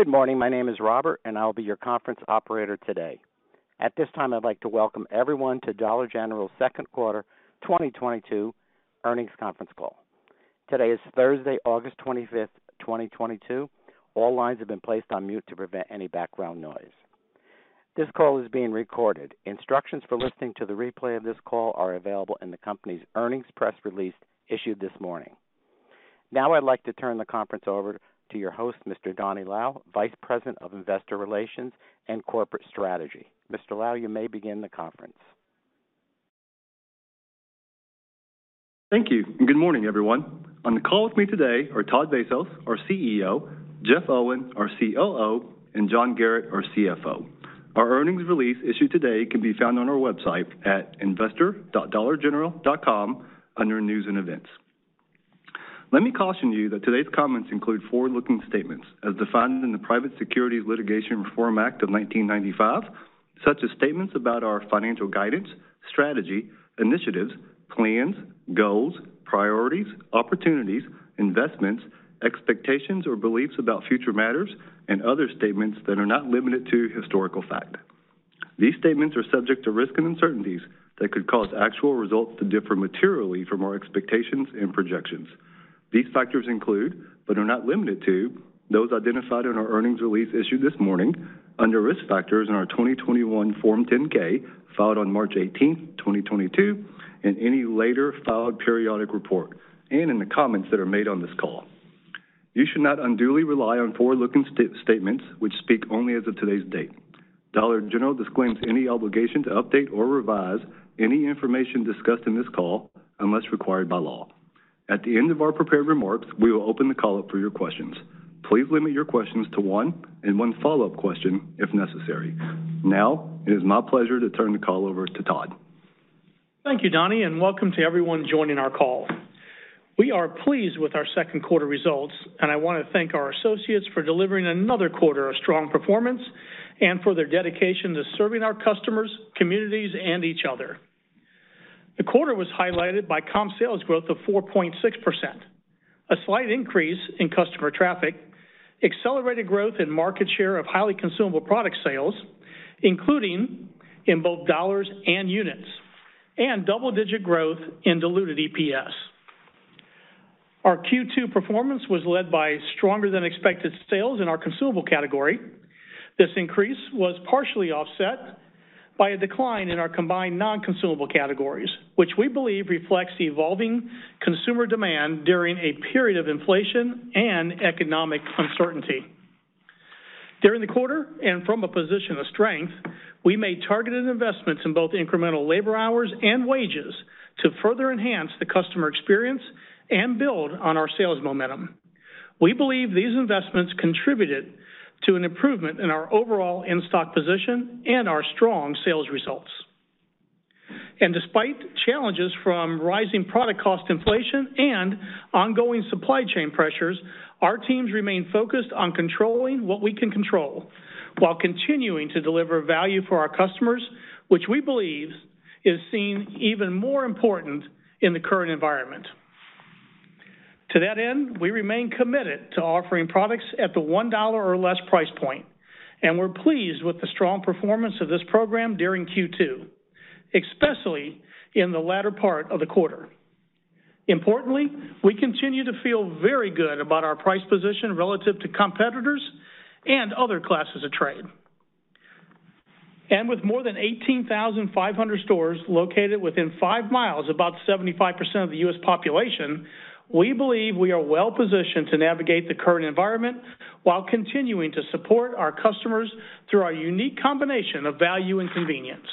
Good morning. My name is Robert, and I'll be your conference operator today. At this time, I'd like to welcome everyone to Dollar General's second quarter 2022 earnings conference call. Today is Thursday, August 25th, 2022. All lines have been placed on mute to prevent any background noise. This call is being recorded. Instructions for listening to the replay of this call are available in the company's earnings press release issued this morning. Now I'd like to turn the conference over to your host, Mr. Donny Lau, Vice President of Investor Relations and Corporate Strategy. Mr. Lau, you may begin the conference. Thank you, and good morning, everyone. On the call with me today are Todd Vasos, our CEO, Jeff Owen, our COO, and John Garrett, our CFO. Our earnings release issued today can be found on our website at investor.dollargeneral.com under News and Events. Let me caution you that today's comments include forward-looking statements as defined in the Private Securities Litigation Reform Act of 1995, such as statements about our financial guidance, strategy, initiatives, plans, goals, priorities, opportunities, investments, expectations or beliefs about future matters, and other statements that are not limited to historical fact. These statements are subject to risks and uncertainties that could cause actual results to differ materially from our expectations and projections. These factors include, but are not limited to, those identified in our earnings release issued this morning under Risk Factors in our 2021 Form 10-K filed on March 18th, 2022, and any later filed periodic report, and in the comments that are made on this call. You should not unduly rely on forward-looking statements which speak only as of today's date. Dollar General disclaims any obligation to update or revise any information discussed on this call unless required by law. At the end of our prepared remarks, we will open the call up for your questions. Please limit your questions to 1, and 1 follow-up question if necessary. Now, it is my pleasure to turn the call over to Todd. Thank you, Donny, and welcome to everyone joining our call. We are pleased with our second quarter results, and I wanna thank our associates for delivering another quarter of strong performance and for their dedication to serving our customers, communities, and each other. The quarter was highlighted by comp sales growth of 4.6%, a slight increase in customer traffic, accelerated growth in market share of highly consumable product sales, including in both dollars and units, and double-digit growth in diluted EPS. Our Q2 performance was led by stronger-than-expected sales in our consumable category. This increase was partially offset by a decline in our combined non-consumable categories, which we believe reflects the evolving consumer demand during a period of inflation and economic uncertainty. During the quarter, and from a position of strength, we made targeted investments in both incremental labor hours and wages to further enhance the customer experience and build on our sales momentum. We believe these investments contributed to an improvement in our overall in-stock position and our strong sales results. Despite challenges from rising product cost inflation and ongoing supply chain pressures, our teams remain focused on controlling what we can control while continuing to deliver value for our customers, which we believe is seen even more important in the current environment. To that end, we remain committed to offering products at the $1 or less price point, and we're pleased with the strong performance of this program during Q2, especially in the latter part of the quarter. Importantly, we continue to feel very good about our price position relative to competitors and other classes of trade. With more than 18,500 stores located within 5 mi, about 75% of the U.S. population, we believe we are well-positioned to navigate the current environment while continuing to support our customers through our unique combination of value and convenience.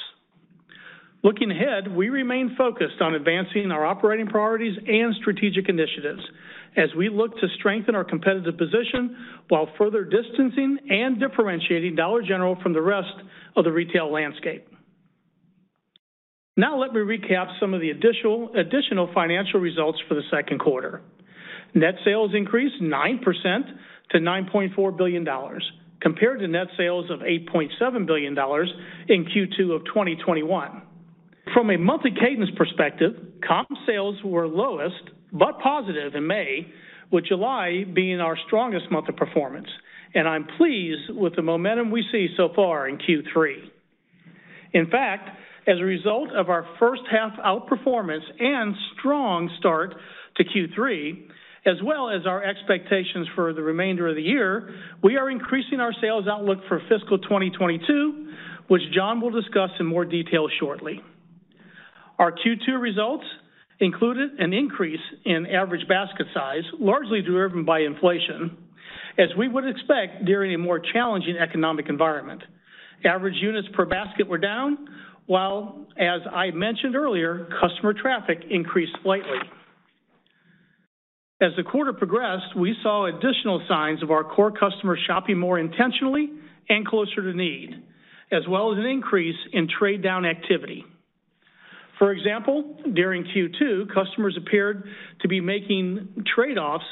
Looking ahead, we remain focused on advancing our operating priorities and strategic initiatives as we look to strengthen our competitive position while further distancing and differentiating Dollar General from the rest of the retail landscape. Let me recap some of the additional financial results for the second quarter. Net sales increased 9% to $9.4 billion, compared to net sales of $8.7 billion in Q2 of 2021. From a monthly cadence perspective, comp sales were lowest but positive in May, with July being our strongest month of performance. I'm pleased with the momentum we see so far in Q3. In fact, as a result of our first half outperformance and strong start to Q3, as well as our expectations for the remainder of the year, we are increasing our sales outlook for fiscal 2022, which John will discuss in more detail shortly. Our Q2 results included an increase in average basket size, largely driven by inflation, as we would expect during a more challenging economic environment. Average units per basket were down, while, as I mentioned earlier, customer traffic increased slightly. As the quarter progressed, we saw additional signs of our core customers shopping more intentionally and closer to need, as well as an increase in trade-down activity. For example, during Q2, customers appeared to be making trade-offs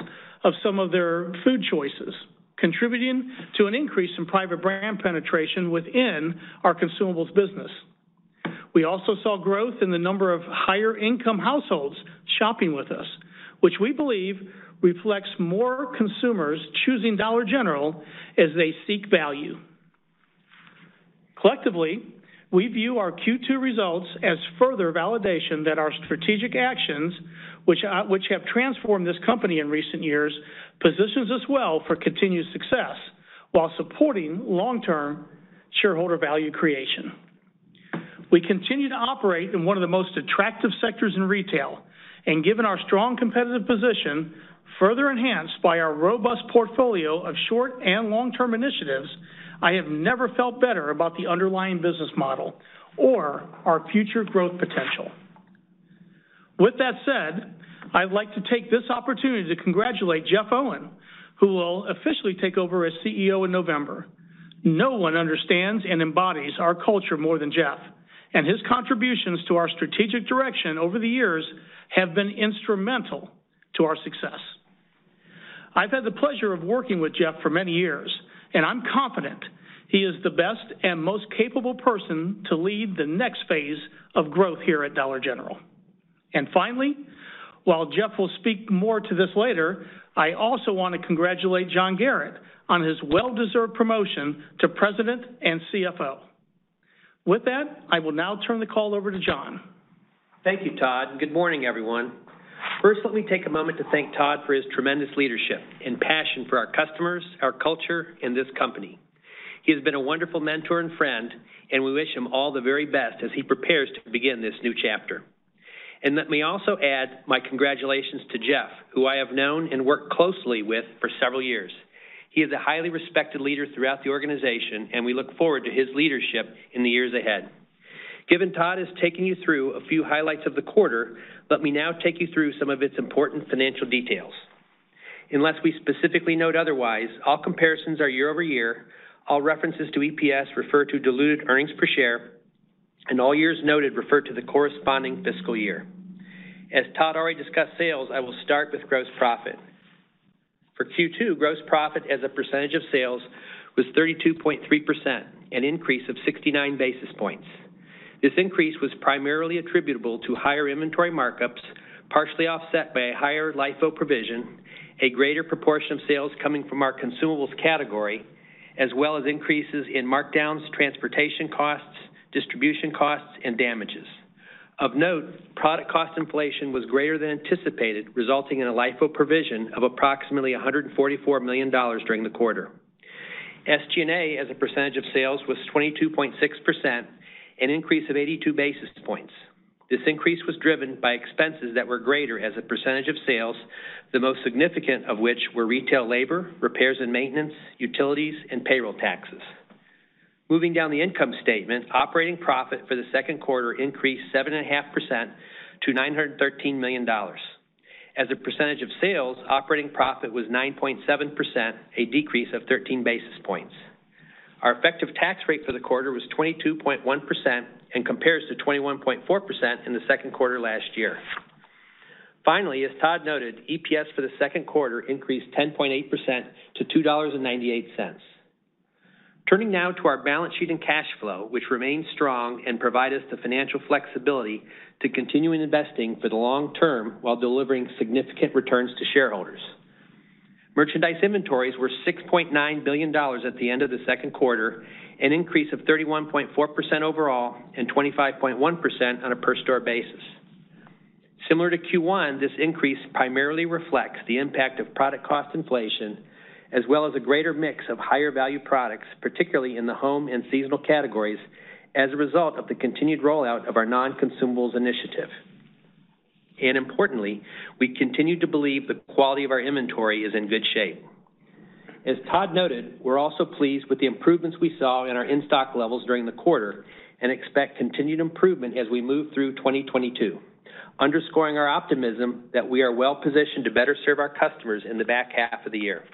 of some of their food choices, contributing to an increase in private brand penetration within our consumables business. We also saw growth in the number of higher income households shopping with us, which we believe reflects more consumers choosing Dollar General as they seek value. Collectively, we view our Q2 results as further validation that our strategic actions, which have transformed this company in recent years, positions us well for continued success while supporting long-term shareholder value creation. We continue to operate in one of the most attractive sectors in retail, and given our strong competitive position, further enhanced by our robust portfolio of short and long-term initiatives, I have never felt better about the underlying business model or our future growth potential. With that said, I'd like to take this opportunity to congratulate Jeff Owen, who will officially take over as CEO in November. No one understands and embodies our culture more than Jeff. His contributions to our strategic direction over the years have been instrumental to our success. I've had the pleasure of working with Jeff for many years. I'm confident he is the best and most capable person to lead the next phase of growth here at Dollar General. Finally, while Jeff will speak more to this later, I also wanna congratulate John Garrett on his well-deserved promotion to President and CFO. With that, I will now turn the call over to John. Thank you, Todd. Good morning, everyone. First, let me take a moment to thank Todd for his tremendous leadership and passion for our customers, our culture in this company. He has been a wonderful mentor and friend, and we wish him all the very best as he prepares to begin this new chapter. Let me also add my congratulations to Jeff, who I have known and worked closely with for several years. He is a highly respected leader throughout the organization, and we look forward to his leadership in the years ahead. Given Todd has taken you through a few highlights of the quarter, let me now take you through some of its important financial details. Unless we specifically note otherwise, all comparisons are year-over-year. All references to EPS refer to diluted earnings per share, and all years noted refer to the corresponding fiscal year. As Todd already discussed sales, I will start with gross profit. For Q2, gross profit as a percentage of sales was 32.3%, an increase of 69 basis points. This increase was primarily attributable to higher inventory markups, partially offset by a higher LIFO provision, a greater proportion of sales coming from our consumables category, as well as increases in markdowns, transportation costs, distribution costs, and damages. Of note, product cost inflation was greater than anticipated, resulting in a LIFO provision of approximately $144 million during the quarter. SG&A as a percentage of sales was 22.6%, an increase of 82 basis points. This increase was driven by expenses that were greater as a percentage of sales, the most significant of which were retail labor, repairs and maintenance, utilities, and payroll taxes. Moving down the income statement, operating profit for the second quarter increased 7.5% to $913 million. As a percentage of sales, operating profit was 9.7%, a decrease of 13 basis points. Our effective tax rate for the quarter was 22.1% and compares to 21.4% in the second quarter last year. Finally, as Todd noted, EPS for the second quarter increased 10.8% to $2.98. Turning now to our balance sheet and cash flow, which remain strong and provide us the financial flexibility to continue in investing for the long term while delivering significant returns to shareholders. Merchandise inventories were $6.9 billion at the end of the second quarter, an increase of 31.4% overall and 25.1% on a per store basis. Similar to Q1, this increase primarily reflects the impact of product cost inflation as well as a greater mix of higher value products, particularly in the home and seasonal categories as a result of the continued rollout of our non-consumables initiative. Importantly, we continue to believe the quality of our inventory is in good shape. As Todd noted, we're also pleased with the improvements we saw in our in-stock levels during the quarter and expect continued improvement as we move through 2022, underscoring our optimism that we are well-positioned to better serve our customers in the back half of the year.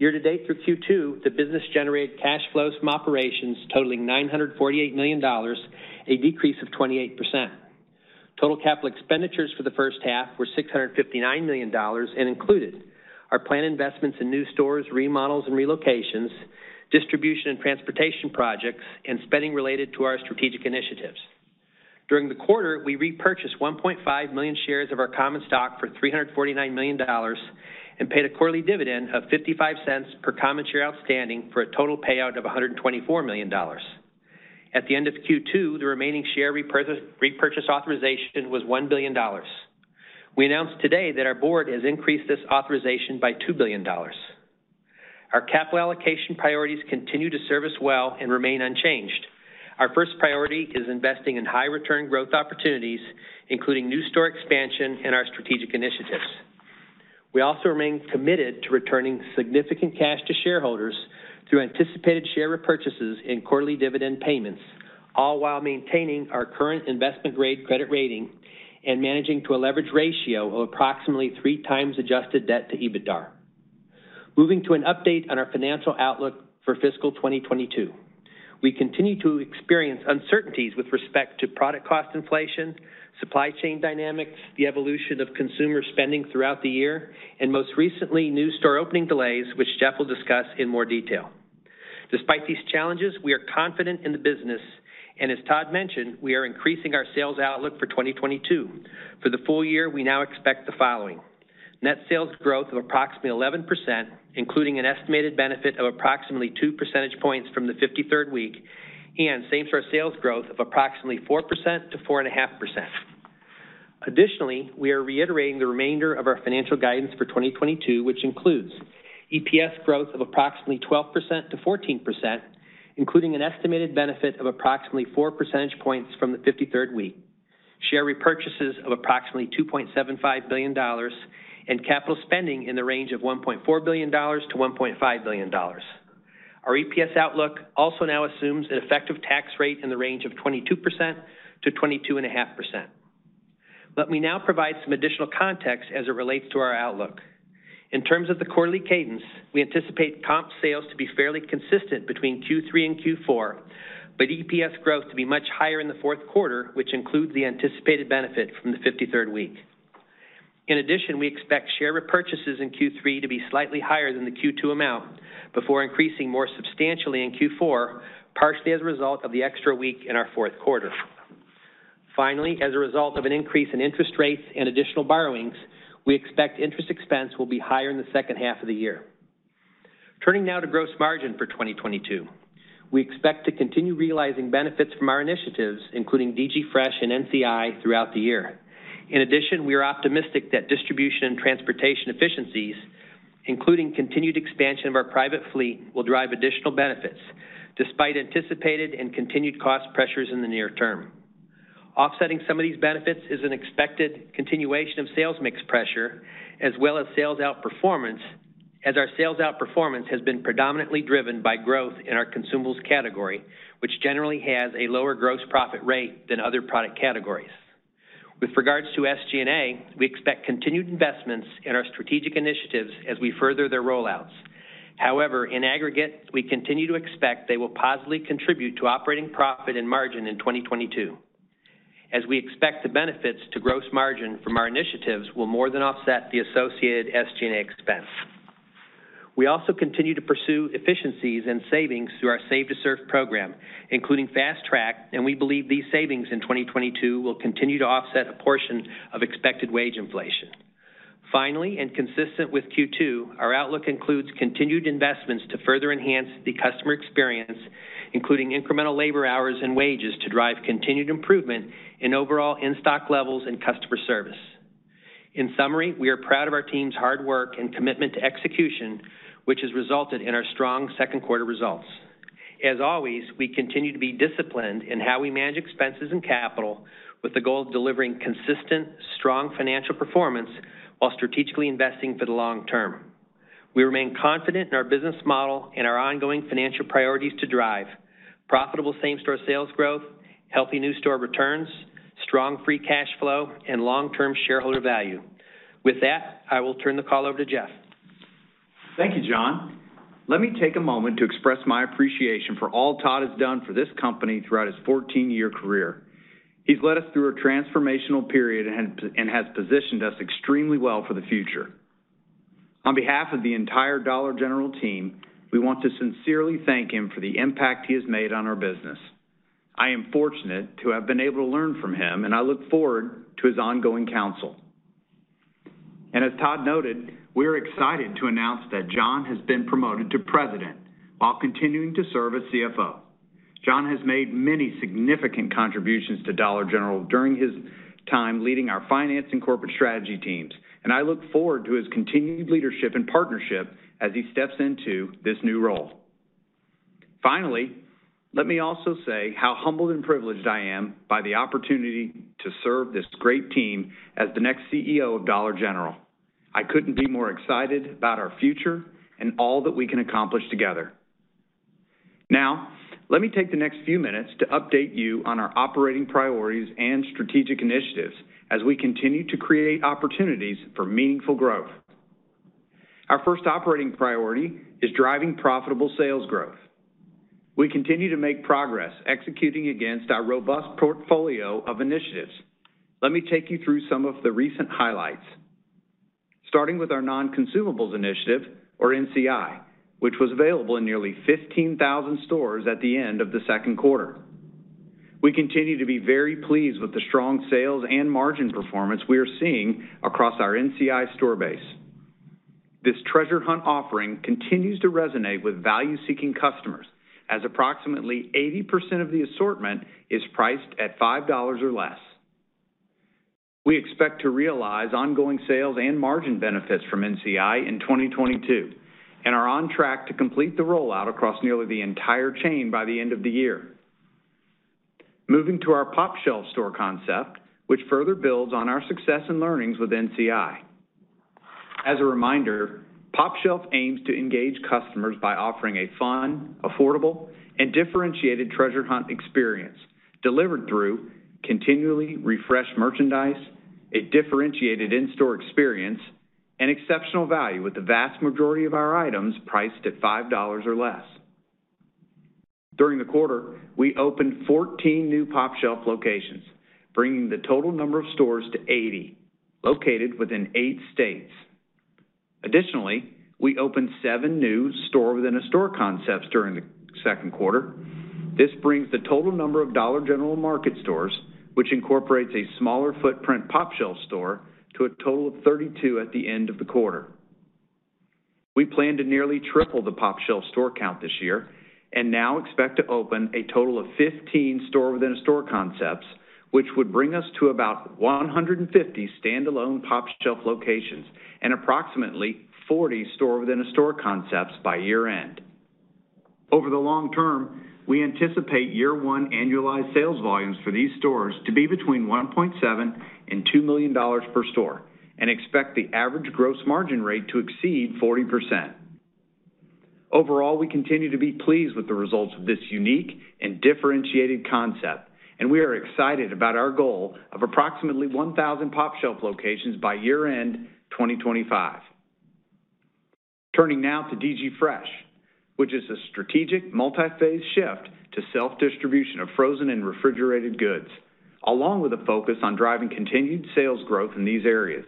Year to date through Q2, the business generated cash flows from operations totaling $948 million, a decrease of 28%. Total capital expenditures for the first half were $659 million and included our planned investments in new stores, remodels and relocations, distribution and transportation projects, and spending related to our strategic initiatives. During the quarter, we repurchased 1.5 million shares of our common stock for $349 million and paid a quarterly dividend of $0.55 per common share outstanding for a total payout of $124 million. At the end of Q2, the remaining share repurchase authorization was $1 billion. We announced today that our board has increased this authorization by $2 billion. Our capital allocation priorities continue to serve us well and remain unchanged. Our first priority is investing in high return growth opportunities, including new store expansion and our strategic initiatives. We also remain committed to returning significant cash to shareholders through anticipated share repurchases and quarterly dividend payments, all while maintaining our current investment-grade credit rating and managing to a leverage ratio of approximately 3x adjusted debt to EBITDA. Moving to an update on our financial outlook for fiscal 2022. We continue to experience uncertainties with respect to product cost inflation, Supply chain dynamics, the evolution of consumer spending throughout the year, and most recently, new store opening delays, which Jeff will discuss in more detail. Despite these challenges, we are confident in the business, and as Todd mentioned, we are increasing our sales outlook for 2022. For the full year, we now expect the following. Net sales growth of approximately 11%, including an estimated benefit of approximately 2 percentage points from the 53rd week, and same-store sales growth of approximately 4%-4.5%. We are reiterating the remainder of our financial guidance for 2022, which includes EPS growth of approximately 12%-14%, including an estimated benefit of approximately 4 percentage points from the 53rd week. Share repurchases of approximately $2.75 billion and capital spending in the range of $1.4 billion-$1.5 billion. Our EPS outlook also now assumes an effective tax rate in the range of 22%-22.5%. Let me now provide some additional context as it relates to our outlook. In terms of the quarterly cadence, we anticipate comp sales to be fairly consistent between Q3 and Q4, but EPS growth to be much higher in the fourth quarter, which includes the anticipated benefit from the 53rd week. In addition, we expect share repurchases in Q3 to be slightly higher than the Q2 amount before increasing more substantially in Q4, partially as a result of the extra week in our fourth quarter. Finally, as a result of an increase in interest rates and additional borrowings, we expect interest expense will be higher in the second half of the year. Turning now to gross margin for 2022. We expect to continue realizing benefits from our initiatives, including DG Fresh and NCI, throughout the year. In addition, we are optimistic that distribution and transportation efficiencies, including continued expansion of our private fleet, will drive additional benefits despite anticipated and continued cost pressures in the near term. Offsetting some of these benefits is an expected continuation of sales mix pressure as well as sales outperformance, as our sales outperformance has been predominantly driven by growth in our consumables category, which generally has a lower gross profit rate than other product categories. With regards to SG&A, we expect continued investments in our strategic initiatives as we further their rollouts. However, in aggregate, we continue to expect they will positively contribute to operating profit and margin in 2022, as we expect the benefits to gross margin from our initiatives will more than offset the associated SG&A expense. We also continue to pursue efficiencies and savings through our Save to Serve program, including Fast Track, and we believe these savings in 2022 will continue to offset a portion of expected wage inflation. Finally, and consistent with Q2, our outlook includes continued investments to further enhance the customer experience, including incremental labor hours and wages to drive continued improvement in overall in-stock levels and customer service. In summary, we are proud of our team's hard work and commitment to execution, which has resulted in our strong second quarter results. As always, we continue to be disciplined in how we manage expenses and capital with the goal of delivering consistent, strong financial performance while strategically investing for the long term. We remain confident in our business model and our ongoing financial priorities to drive profitable same-store sales growth, healthy new store returns, strong free cash flow, and long-term shareholder value. With that, I will turn the call over to Jeff. Thank you, John. Let me take a moment to express my appreciation for all Todd has done for this company throughout his 14-year career. He's led us through a transformational period and has positioned us extremely well for the future. On behalf of the entire Dollar General team, we want to sincerely thank him for the impact he has made on our business. I am fortunate to have been able to learn from him, and I look forward to his ongoing counsel. As Todd noted, we're excited to announce that John has been promoted to President while continuing to serve as CFO. John has made many significant contributions to Dollar General during his time leading our finance and corporate strategy teams, and I look forward to his continued leadership and partnership as he steps into this new role. Finally, let me also say how humbled and privileged I am by the opportunity to serve this great team as the next CEO of Dollar General. I couldn't be more excited about our future and all that we can accomplish together. Now, let me take the next few minutes to update you on our operating priorities and strategic initiatives as we continue to create opportunities for meaningful growth. Our first operating priority is driving profitable sales growth. We continue to make progress executing against our robust portfolio of initiatives. Let me take you through some of the recent highlights. Starting with our Non-Consumables Initiative, or NCI, which was available in nearly 15,000 stores at the end of the second quarter. We continue to be very pleased with the strong sales and margin performance we are seeing across our NCI store base. This treasure hunt offering continues to resonate with value-seeking customers, as approximately 80% of the assortment is priced at $5 or less. We expect to realize ongoing sales and margin benefits from NCI in 2022 and are on track to complete the rollout across nearly the entire chain by the end of the year. Moving to our pOpshelf store concept, which further builds on our success and learnings with NCI. As a reminder, pOpshelf aims to engage customers by offering a fun, affordable, and differentiated treasure hunt experience delivered through continually refreshed merchandise, a differentiated in-store experience, and exceptional value with the vast majority of our items priced at $5 or less. During the quarter, we opened 14 new pOpshelf locations, bringing the total number of stores to 80, located within eight states. Additionally, we opened seven new store-within-a-store concepts during the second quarter. This brings the total number of Dollar General Market stores, which incorporates a smaller footprint pOpshelf store, to a total of 32 at the end of the quarter. We plan to nearly triple the pOpshelf store count this year and now expect to open a total of 15 store-within-a-store concepts, which would bring us to about 150 stand-alone pOpshelf locations and approximately 40 store-within-a-store concepts by year-end. Over the long term, we anticipate year one annualized sales volumes for these stores to be between $1.7 million and $2 million per store and expect the average gross margin rate to exceed 40%. We continue to be pleased with the results of this unique and differentiated concept, and we are excited about our goal of approximately 1,000 pOpshelf locations by year-end 2025. Turning now to DG Fresh, which is a strategic multi-phase shift to self-distribution of frozen and refrigerated goods, along with a focus on driving continued sales growth in these areas.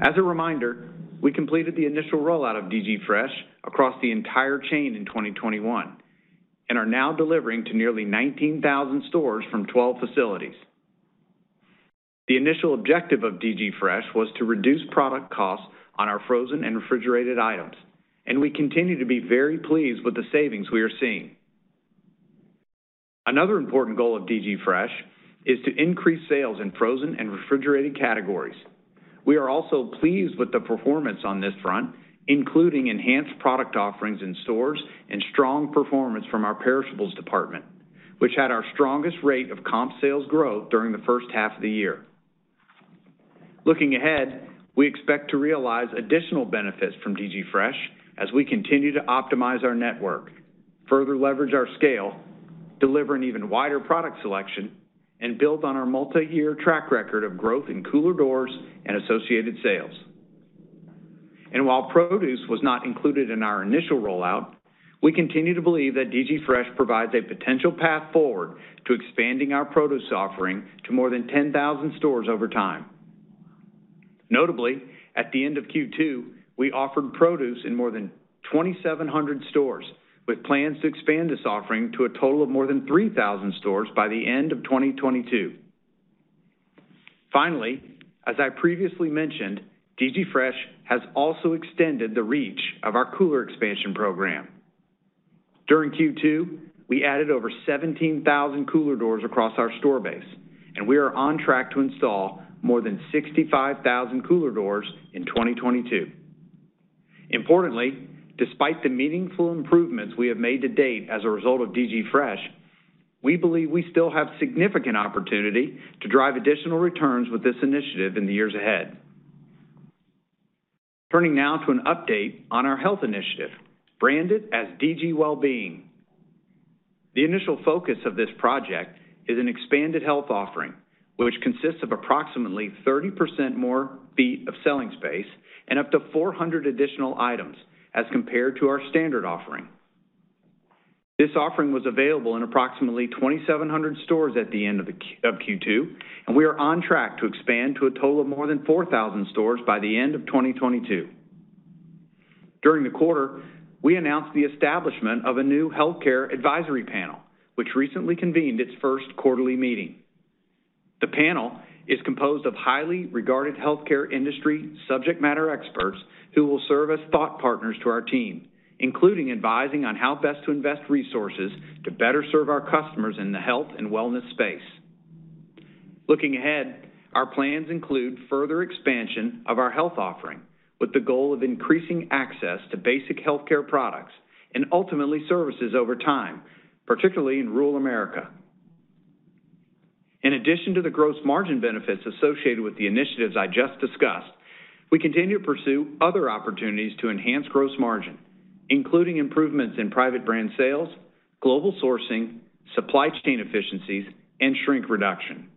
As a reminder, we completed the initial rollout of DG Fresh across the entire chain in 2021 and are now delivering to nearly 19,000 stores from 12 facilities. The initial objective of DG Fresh was to reduce product costs on our frozen and refrigerated items, and we continue to be very pleased with the savings we are seeing. Another important goal of DG Fresh is to increase sales in frozen and refrigerated categories. We are also pleased with the performance on this front, including enhanced product offerings in stores and strong performance from our perishables department, which had our strongest rate of comp sales growth during the first half of the year. Looking ahead, we expect to realize additional benefits from DG Fresh as we continue to optimize our network, further leverage our scale, deliver an even wider product selection, and build on our multiyear track record of growth in cooler doors and associated sales. While produce was not included in our initial rollout, we continue to believe that DG Fresh provides a potential path forward to expanding our produce offering to more than 10,000 stores over time. Notably, at the end of Q2, we offered produce in more than 2,700 stores, with plans to expand this offering to a total of more than 3,000 stores by the end of 2022. As I previously mentioned, DG Fresh has also extended the reach of our cooler expansion program. During Q2, we added over 17,000 cooler doors across our store base. We are on track to install more than 65,000 cooler doors in 2022. Importantly, despite the meaningful improvements we have made to date as a result of DG Fresh, we believe we still have significant opportunity to drive additional returns with this initiative in the years ahead. Turning now to an update on our health initiative, branded as DG Wellbeing. The initial focus of this project is an expanded health offering, which consists of approximately 30% more feet of selling space and up to 400 additional items as compared to our standard offering. This offering was available in approximately 2,700 stores at the end of Q2, and we are on track to expand to a total of more than 4,000 stores by the end of 2022. During the quarter, we announced the establishment of a new healthcare advisory panel, which recently convened its first quarterly meeting. The panel is composed of highly regarded healthcare industry subject matter experts who will serve as thought partners to our team, including advising on how best to invest resources to better serve our customers in the health and wellness space. Looking ahead, our plans include further expansion of our health offering with the goal of increasing access to basic healthcare products and ultimately services over time, particularly in rural America. In addition to the gross margin benefits associated with the initiatives I just discussed, we continue to pursue other opportunities to enhance gross margin, including improvements in private brand sales, global sourcing, supply chain efficiencies, and shrink reduction.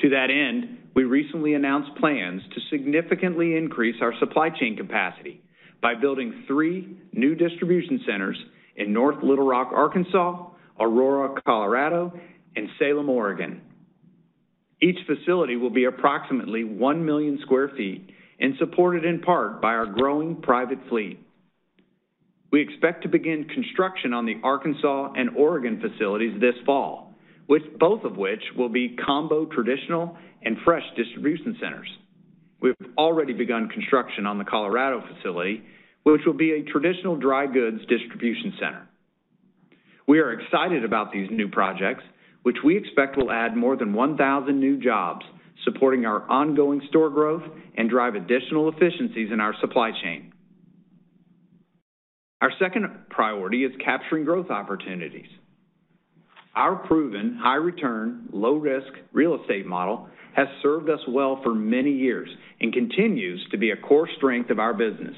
To that end, we recently announced plans to significantly increase our supply chain capacity by building three new distribution centers in North Little Rock, Arkansas, Aurora, Colorado, and Salem, Oregon. Each facility will be approximately 1 million sq ft and supported in part by our growing private fleet. We expect to begin construction on the Arkansas and Oregon facilities this fall, both of which will be combo, traditional, and fresh distribution centers. We've already begun construction on the Colorado facility, which will be a traditional dry goods distribution center. We are excited about these new projects, which we expect will add more than 1,000 new jobs supporting our ongoing store growth and drive additional efficiencies in our supply chain. Our second priority is capturing growth opportunities. Our proven high return, low risk real estate model has served us well for many years and continues to be a core strength of our business.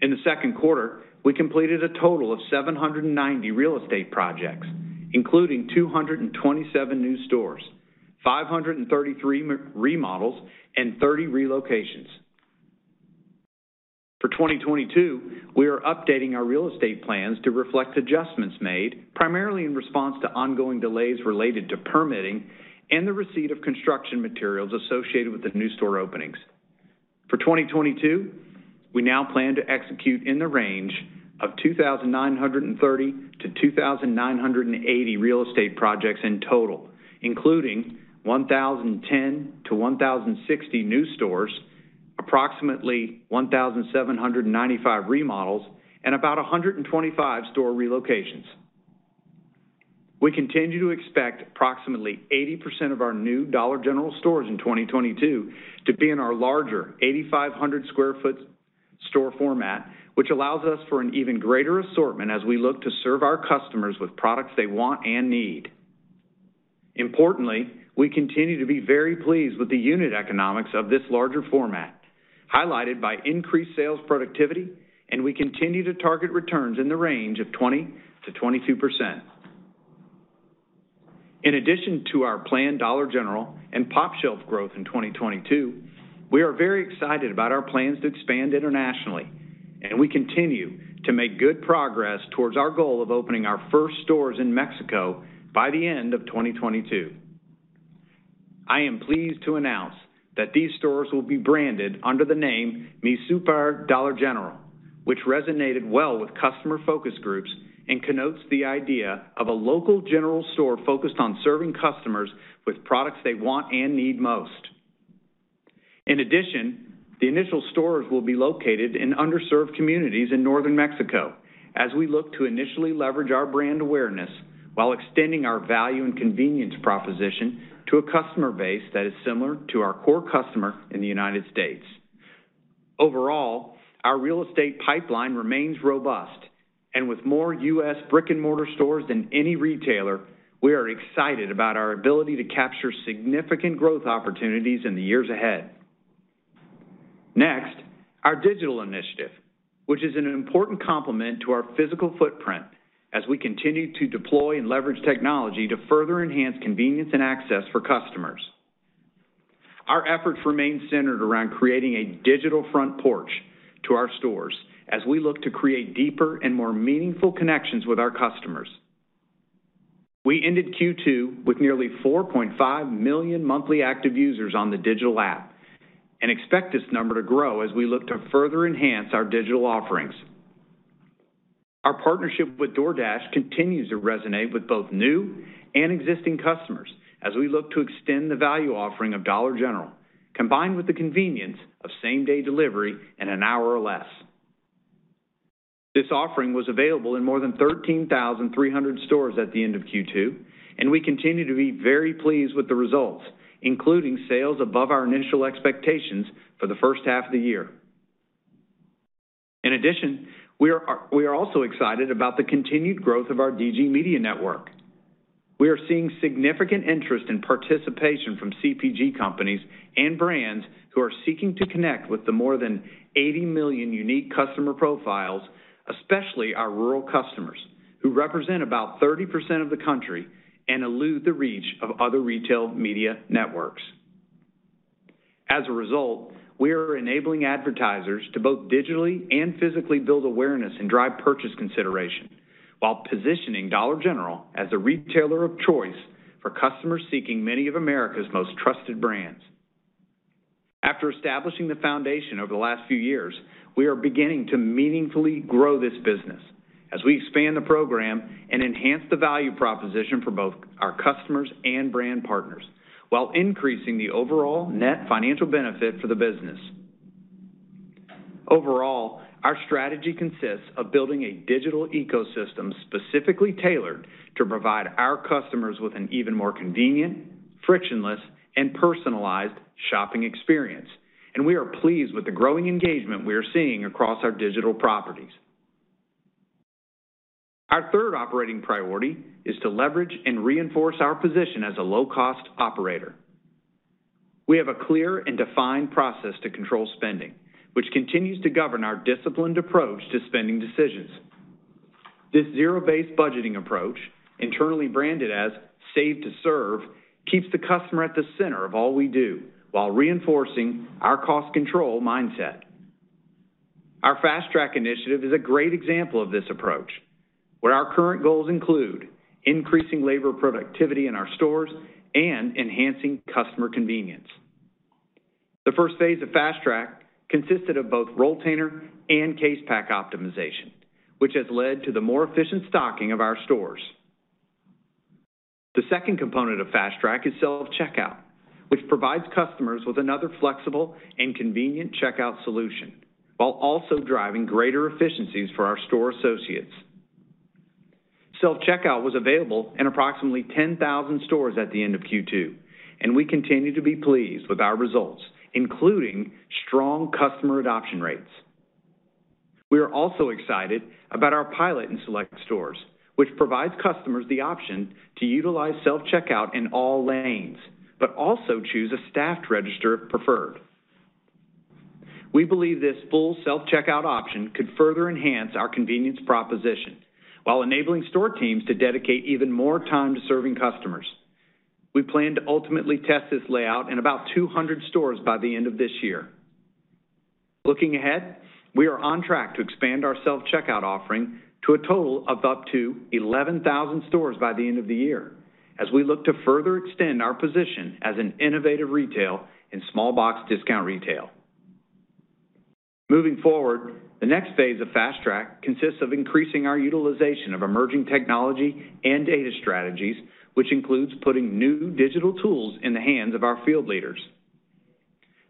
In the second quarter, we completed a total of 790 real estate projects, including 227 new stores, 533 re-models, and 30 relocations. For 2022, we are updating our real estate plans to reflect adjustments made primarily in response to ongoing delays related to permitting and the receipt of construction materials associated with the new store openings. For 2022, we now plan to execute in the range of 2,930-2,980 real estate projects in total, including 1,010-1,060 new stores, approximately 1,795 remodels, and about 125 store relocations. We continue to expect approximately 80% of our new Dollar General stores in 2022 to be in our larger 8,500 sq ft store format, which allows us for an even greater assortment as we look to serve our customers with products they want and need. Importantly, we continue to be very pleased with the unit economics of this larger format, highlighted by increased sales productivity, and we continue to target returns in the range of 20%-22%. In addition to our planned Dollar General and pOpshelf growth in 2022, we are very excited about our plans to expand internationally. We continue to make good progress towards our goal of opening our first stores in Mexico by the end of 2022. I am pleased to announce that these stores will be branded under the name Mi Súper Dollar General, which resonated well with customer focus groups and connotes the idea of a local general store focused on serving customers with products they want and need most. In addition, the initial stores will be located in underserved communities in northern Mexico as we look to initially leverage our brand awareness while extending our value and convenience proposition to a customer base that is similar to our core customer in the United States. Overall, our real estate pipeline remains robust and with more U.S. brick-and-mortar stores than any retailer, we are excited about our ability to capture significant growth opportunities in the years ahead. Next, our digital initiative, which is an important complement to our physical footprint as we continue to deploy and leverage technology to further enhance convenience and access for customers. Our efforts remain centered around creating a digital front porch to our stores as we look to create deeper and more meaningful connections with our customers. We ended Q2 with nearly 4.5 million monthly active users on the digital app and expect this number to grow as we look to further enhance our digital offerings. Our partnership with DoorDash continues to resonate with both new and existing customers as we look to extend the value offering of Dollar General, combined with the convenience of same-day delivery in an hour or less. This offering was available in more than 13,300 stores at the end of Q2. We continue to be very pleased with the results, including sales above our initial expectations for the first half of the year. We are also excited about the continued growth of our DG Media Network. We are seeing significant interest in participation from CPG companies and brands who are seeking to connect with the more than 80 million unique customer profiles, especially our rural customers, who represent about 30% of the country and elude the reach of other retail media networks. As a result, we are enabling advertisers to both digitally and physically build awareness and drive purchase consideration while positioning Dollar General as a retailer of choice for customers seeking many of America's most trusted brands. After establishing the foundation over the last few years, we are beginning to meaningfully grow this business as we expand the program and enhance the value proposition for both our customers and brand partners while increasing the overall net financial benefit for the business. Overall, our strategy consists of building a digital ecosystem specifically tailored to provide our customers with an even more convenient, frictionless, and personalized shopping experience, and we are pleased with the growing engagement we are seeing across our digital properties. Our third operating priority is to leverage and reinforce our position as a low-cost operator. We have a clear and defined process to control spending, which continues to govern our disciplined approach to spending decisions. This zero-based budgeting approach, internally branded as Save to Serve, keeps the customer at the center of all we do while reinforcing our cost control mindset. Our Fast Track initiative is a great example of this approach, where our current goals include increasing labor productivity in our stores and enhancing customer convenience. The first phase of Fast Track consisted of both roll container and case pack optimization, which has led to the more efficient stocking of our stores. The second component of Fast Track is self-checkout, which provides customers with another flexible and convenient checkout solution while also driving greater efficiencies for our store associates. Self-checkout was available in approximately 10,000 stores at the end of Q2. We continue to be pleased with our results, including strong customer adoption rates. We are also excited about our pilot in select stores, which provides customers the option to utilize self-checkout in all lanes but also choose a staffed register if preferred. We believe this full self-checkout option could further enhance our convenience proposition while enabling store teams to dedicate even more time to serving customers. We plan to ultimately test this layout in about 200 stores by the end of this year. Looking ahead, we are on track to expand our self-checkout offering to a total of up to 11,000 stores by the end of the year as we look to further extend our position as an innovative retail in small box discount retail. Moving forward, the next phase of Fast Track consists of increasing our utilization of emerging technology and data strategies, which includes putting new digital tools in the hands of our field leaders.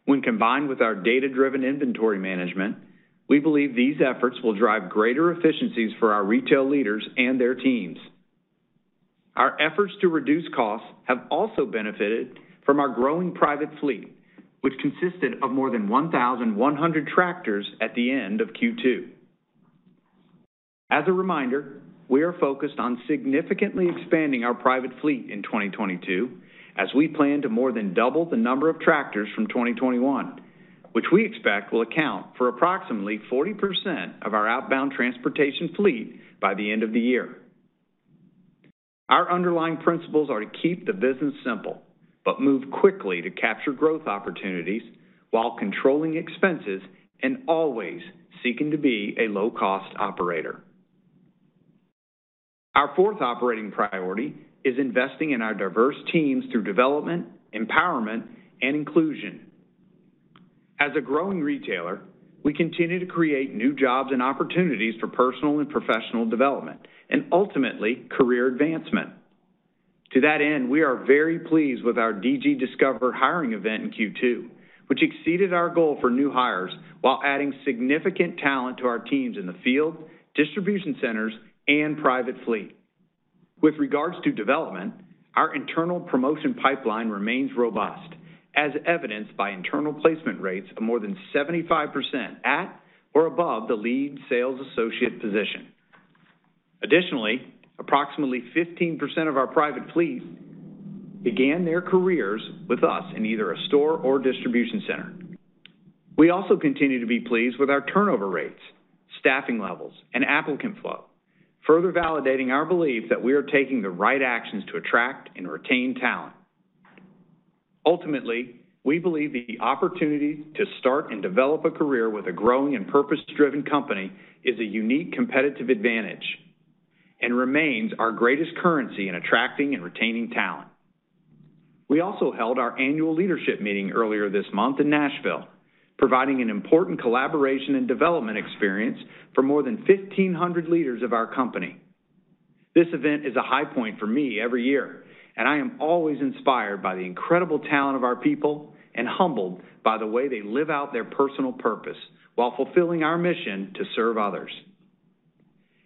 When combined with our data-driven inventory management, we believe these efforts will drive greater efficiencies for our retail leaders and their teams. Our efforts to reduce costs have also benefited from our growing private fleet, which consisted of more than 1,100 tractors at the end of Q2. As a reminder, we are focused on significantly expanding our private fleet in 2022 as we plan to more than double the number of tractors from 2021, which we expect will account for approximately 40% of our outbound transportation fleet by the end of the year. Our underlying principles are to keep the business simple, but move quickly to capture growth opportunities while controlling expenses and always seeking to be a low-cost operator. Our fourth operating priority is investing in our diverse teams through development, empowerment, and inclusion. As a growing retailer, we continue to create new jobs and opportunities for personal and professional development and ultimately career advancement. To that end, we are very pleased with our DG Discover hiring event in Q2, which exceeded our goal for new hires while adding significant talent to our teams in the field, distribution centers, and private fleet. With regards to development, our internal promotion pipeline remains robust, as evidenced by internal placement rates of more than 75% at or above the lead sales associate position. Additionally, approximately 15% of our private fleet began their careers with us in either a store or distribution center. We also continue to be pleased with our turnover rates, staffing levels, and applicant flow, further validating our belief that we are taking the right actions to attract and retain talent. Ultimately, we believe the opportunity to start and develop a career with a growing and purpose-driven company is a unique competitive advantage and remains our greatest currency in attracting and retaining talent. We also held our annual leadership meeting earlier this month in Nashville, providing an important collaboration and development experience for more than 1,500 leaders of our company. This event is a high point for me every year, and I am always inspired by the incredible talent of our people and humbled by the way they live out their personal purpose while fulfilling our mission to serve others.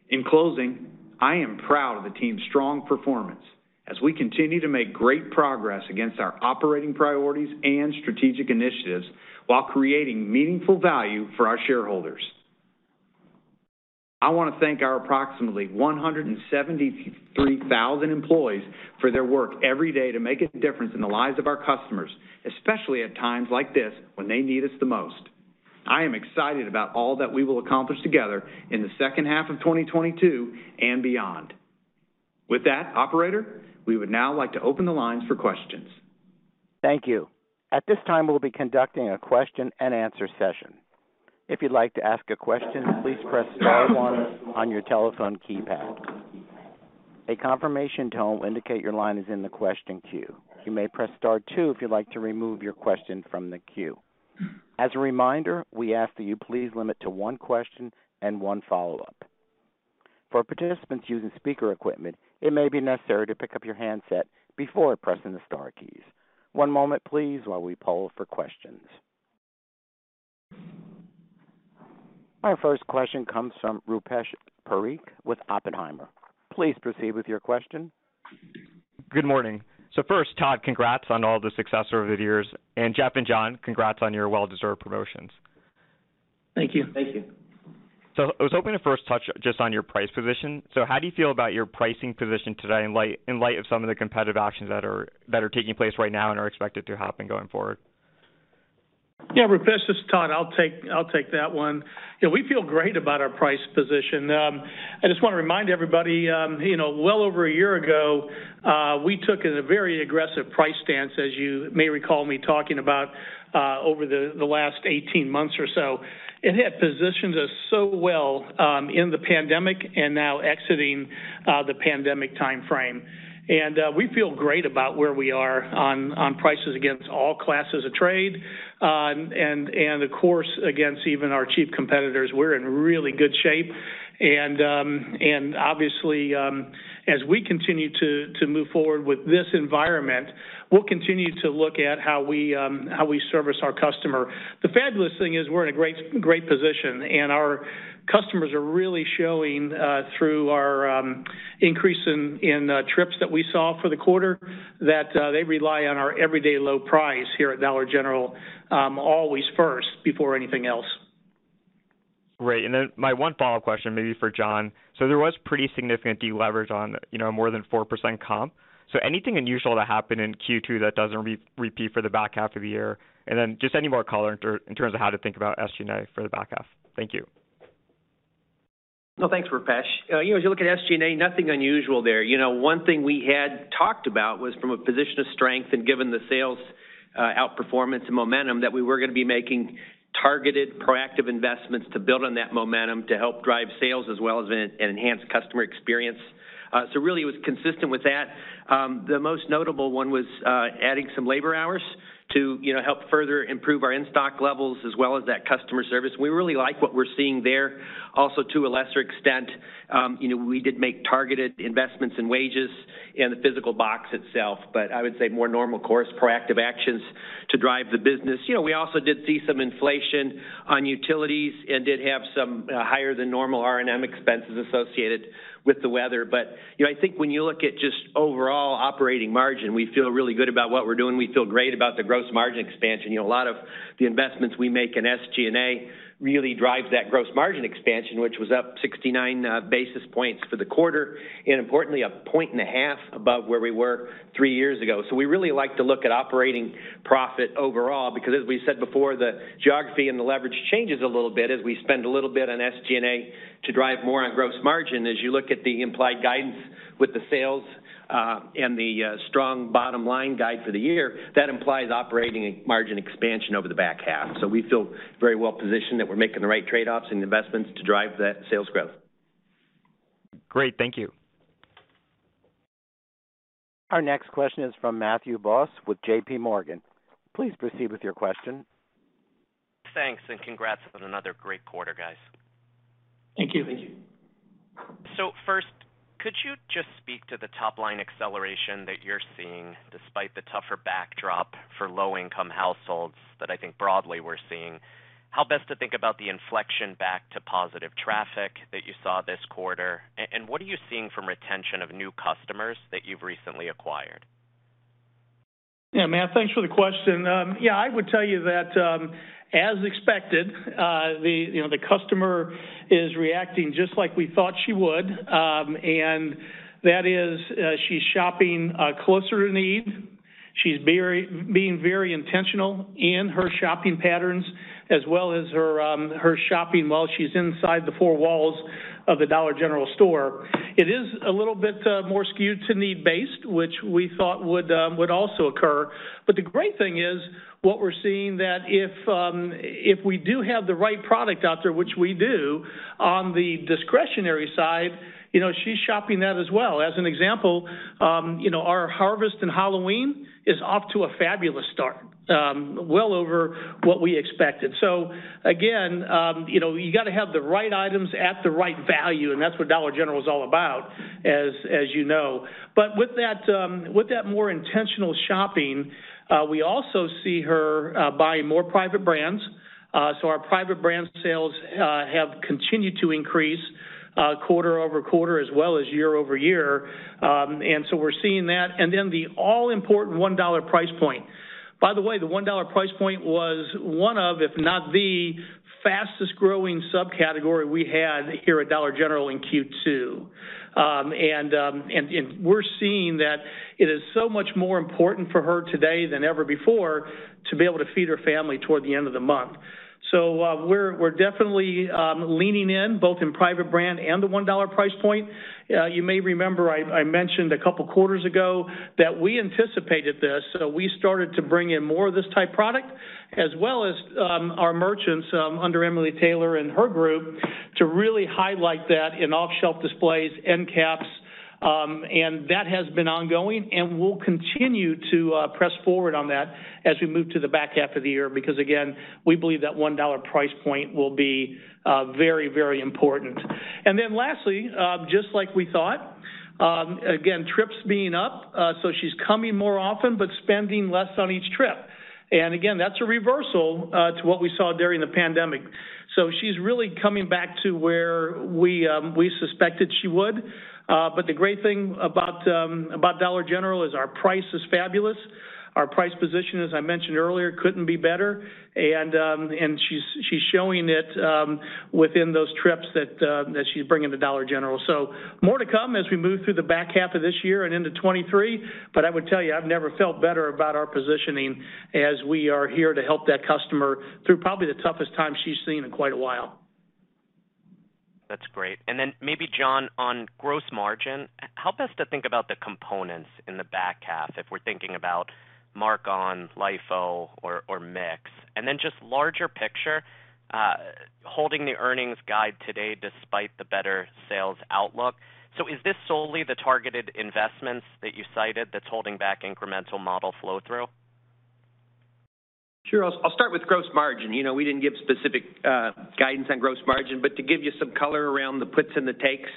In closing, I am proud of the team's strong performance as we continue to make great progress against our operating priorities and strategic initiatives while creating meaningful value for our shareholders. I want to thank our approximately 173,000 employees for their work every day to make a difference in the lives of our customers, especially at times like this when they need us the most. I am excited about all that we will accomplish together in the second half of 2022 and beyond. With that, operator, we would now like to open the lines for questions. Thank you. At this time, we'll be conducting a question and answer session. If you'd like to ask a question, please press star one on your telephone keypad. A confirmation tone will indicate your line is in the question queue. You may press star two if you'd like to remove your question from the queue. As a reminder, we ask that you please limit to one question and one follow-up. For participants using speaker equipment, it may be necessary to pick up your handset before pressing the star keys. One moment, please, while we poll for questions. Our first question comes from Rupesh Parikh with Oppenheimer. Please proceed with your question. First, Todd, congrats on all the success over the years, and Jeff and John, congrats on your well-deserved promotions. Thank you. Thank you. I was hoping to first touch just on your price position. How do you feel about your pricing position today in light of some of the competitive actions that are taking place right now and are expected to happen going forward? Yeah. Rupesh, this is Todd. I'll take that one. You know, we feel great about our price position. I just wanna remind everybody, you know, well over a year ago, we took a very aggressive price stance, as you may recall me talking about, over the last 18 months or so. It has positioned us so well, in the pandemic and now exiting the pandemic timeframe. We feel great about where we are on prices against all classes of trade. Of course, against even our chief competitors. We're in really good shape. Obviously, as we continue to move forward with this environment, we'll continue to look at how we service our customer. The fabulous thing is we're in a great position, and our customers are really showing through our increase in trips that we saw for the quarter that they rely on our everyday low price here at Dollar General always first before anything else. Great. My one follow-up question may be for John Garrett. There was pretty significant deleverage on, you know, more than 4% comp. Anything unusual to happen in Q2 that doesn't repeat for the back half of the year? Then just any more color in terms of how to think about SG&A for the back half. Thank you. Well, thanks, Rupesh. You know, as you look at SG&A, nothing unusual there. You know, one thing we had talked about was from a position of strength and given the sales outperformance and momentum that we were gonna be making targeted, proactive investments to build on that momentum to help drive sales as well as an enhanced customer experience. Really it was consistent with that. The most notable one was adding some labor hours to, you know, help further improve our in-stock levels as well as that customer service. We really like what we're seeing there. Also, to a lesser extent, you know, we did make targeted investments in wages in the physical box itself, I would say more normal course, proactive actions to drive the business. You know, we also did see some inflation on utilities and did have some higher than normal R&M expenses associated with the weather. You know, I think when you look at just overall operating margin, we feel really good about what we're doing. We feel great about the gross margin expansion. You know, a lot of the investments we make in SG&A really drives that gross margin expansion, which was up 69 basis points for the quarter, and importantly, a point and a half above where we were three years ago. We really like to look at operating profit overall, because as we said before, the geography and the leverage changes a little bit as we spend a little bit on SG&A to drive more on gross margin. As you look at the implied guidance with the sales, and the strong bottom line guide for the year, that implies operating margin expansion over the back half. We feel very well-positioned that we're making the right trade-offs and investments to drive that sales growth. Great. Thank you. Our next question is from Matthew Boss with JPMorgan. Please proceed with your question. Thanks and congrats on another great quarter, guys. Thank you. First, could you just speak to the top-line acceleration that you're seeing despite the tougher backdrop for low-income households that I think broadly we're seeing? How best to think about the inflection back to positive traffic that you saw this quarter and what are you seeing from retention of new customers that you've recently acquired? Yeah, Matt, thanks for the question. Yeah, I would tell you that as expected, the, you know, the customer is reacting just like we thought she would, and that is, she's shopping closer to need. She's being very intentional in her shopping patterns, as well as her shopping while she's inside the four walls of the Dollar General store. It is a little bit more skewed to need-based, which we thought would also occur. The great thing is, what we're seeing that if we do have the right product out there, which we do, on the discretionary side, you know, she's shopping that as well. As an example, you know, our harvest in Halloween is off to a fabulous start, well over what we expected. Again, you know, you gotta have the right items at the right value, and that's what Dollar General is all about, as you know. With that, with that more intentional shopping, we also see her buying more private brands. Our private brand sales have continued to increase quarter-over-quarter as well as year-over-year. We're seeing that. The all-important $1 price point. By the way, the $1 price point was one of, if not the fastest-growing subcategory we had here at Dollar General in Q2. We're seeing that it is so much more important for her today than ever before to be able to feed her family toward the end of the month. We're definitely leaning in both in private brand and the $1 price point. You may remember I mentioned a couple of quarters ago that we anticipated this, so we started to bring in more of this type product, as well as our merchants under Emily Taylor and her group, to really highlight that in off-shelf displays, end caps. That has been ongoing, and we'll continue to press forward on that as we move to the back half of the year because, again, we believe that $1 price point will be very, very important. Lastly, just like we thought, again, trips being up, so she's coming more often but spending less on each trip. Again, that's a reversal to what we saw during the pandemic. She's really coming back to where we suspected she would. The great thing about Dollar General is our price is fabulous. Our price position, as I mentioned earlier, couldn't be better. She's showing it within those trips that she's bringing to Dollar General. More to come as we move through the back half of this year and into 2023. I would tell you, I've never felt better about our positioning as we are here to help that customer through probably the toughest time she's seen in quite a while. That's great. Maybe, John, on gross margin, help us to think about the components in the back half if we're thinking about mark-on, LIFO or mix? Just larger picture, holding the earnings guide today despite the better sales outlook, is this solely the targeted investments that you cited that's holding back incremental model flow-through? Sure. I'll start with gross margin. You know, we didn't give specific guidance on gross margin, but to give you some color around the puts and the takes,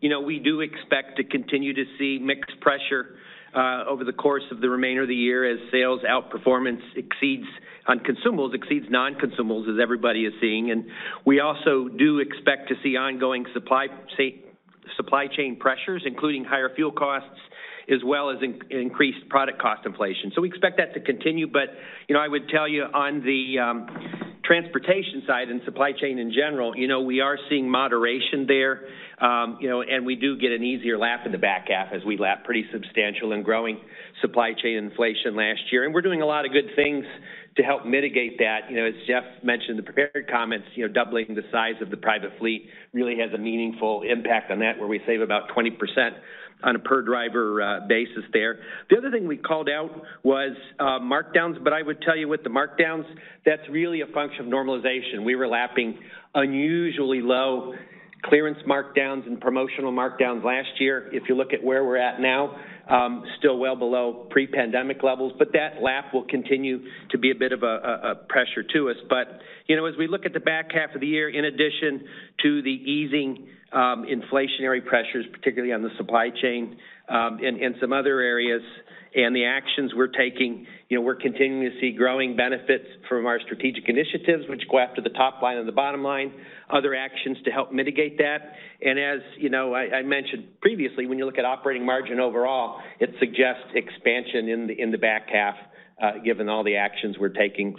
you know, we do expect to continue to see mixed pressure over the course of the remainder of the year as sales outperformance exceeds on consumables, exceeds non-consumables as everybody is seeing. We also do expect to see ongoing supply chain pressures, including higher fuel costs as well as increased product cost inflation. We expect that to continue. You know, I would tell you on the transportation side and supply chain in general, you know, we are seeing moderation there, you know, We do get an easier lap in the back half as we lap pretty substantial and growing supply chain inflation last year. We're doing a lot of good things to help mitigate that. You know, as Jeff mentioned in the prepared comments, you know, doubling the size of the private fleet really has a meaningful impact on that, where we save about 20%. On a per driver basis there. The other thing we called out was markdowns, I would tell you with the markdowns, that's really a function of normalization. We were lapping unusually low clearance markdowns and promotional markdowns last year. If you look at where we're at now, still well below pre-pandemic levels, that lap will continue to be a bit of a pressure to us. You know, as we look at the back half of the year, in addition to the easing inflationary pressures, particularly on the supply chain, and some other areas and the actions we're taking, you know, we're continuing to see growing benefits from our strategic initiatives, which go after the top line and the bottom line, other actions to help mitigate that. As you know, I mentioned previously, when you look at operating margin overall, it suggests expansion in the back half, given all the actions we're taking.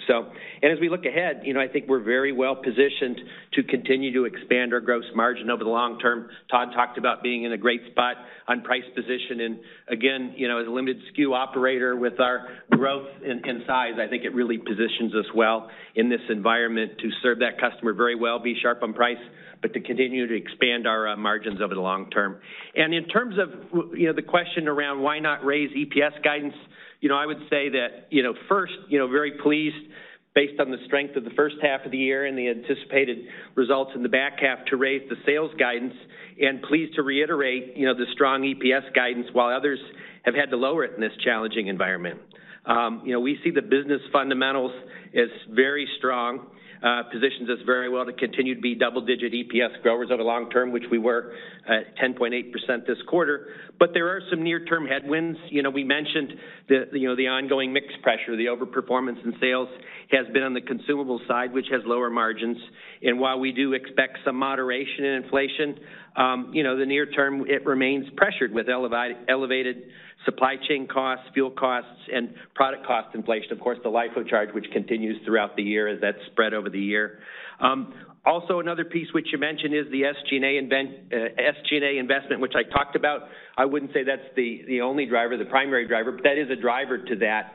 As we look ahead, you know, I think we're very well-positioned to continue to expand our gross margin over the long term. Todd talked about being in a great spot on price position and again, you know, as a limited SKU operator with our growth and size, I think it really positions us well in this environment to serve that customer very well, be sharp on price, but to continue to expand our margins over the long term. In terms of you know, the question around why not raise EPS guidance, you know, I would say that, you know, first, you know, very pleased based on the strength of the first half of the year and the anticipated results in the back half to raise the sales guidance and pleased to reiterate, you know, the strong EPS guidance while others have had to lower it in this challenging environment. You know, we see the business fundamentals as very strong, positions us very well to continue to be double-digit EPS growers over the long term, which we were at 10.8% this quarter. There are some near-term headwinds. You know, we mentioned the, you know, the ongoing mix pressure. The overperformance in sales has been on the consumable side, which has lower margins. While we do expect some moderation in inflation, you know, the near term it remains pressured with elevated supply chain costs, fuel costs, and product cost inflation. Of course, the LIFO charge, which continues throughout the year as that's spread over the year. Also another piece which you mentioned is the SG&A investment, which I talked about. I wouldn't say that's the only driver, the primary driver, but that is a driver to that.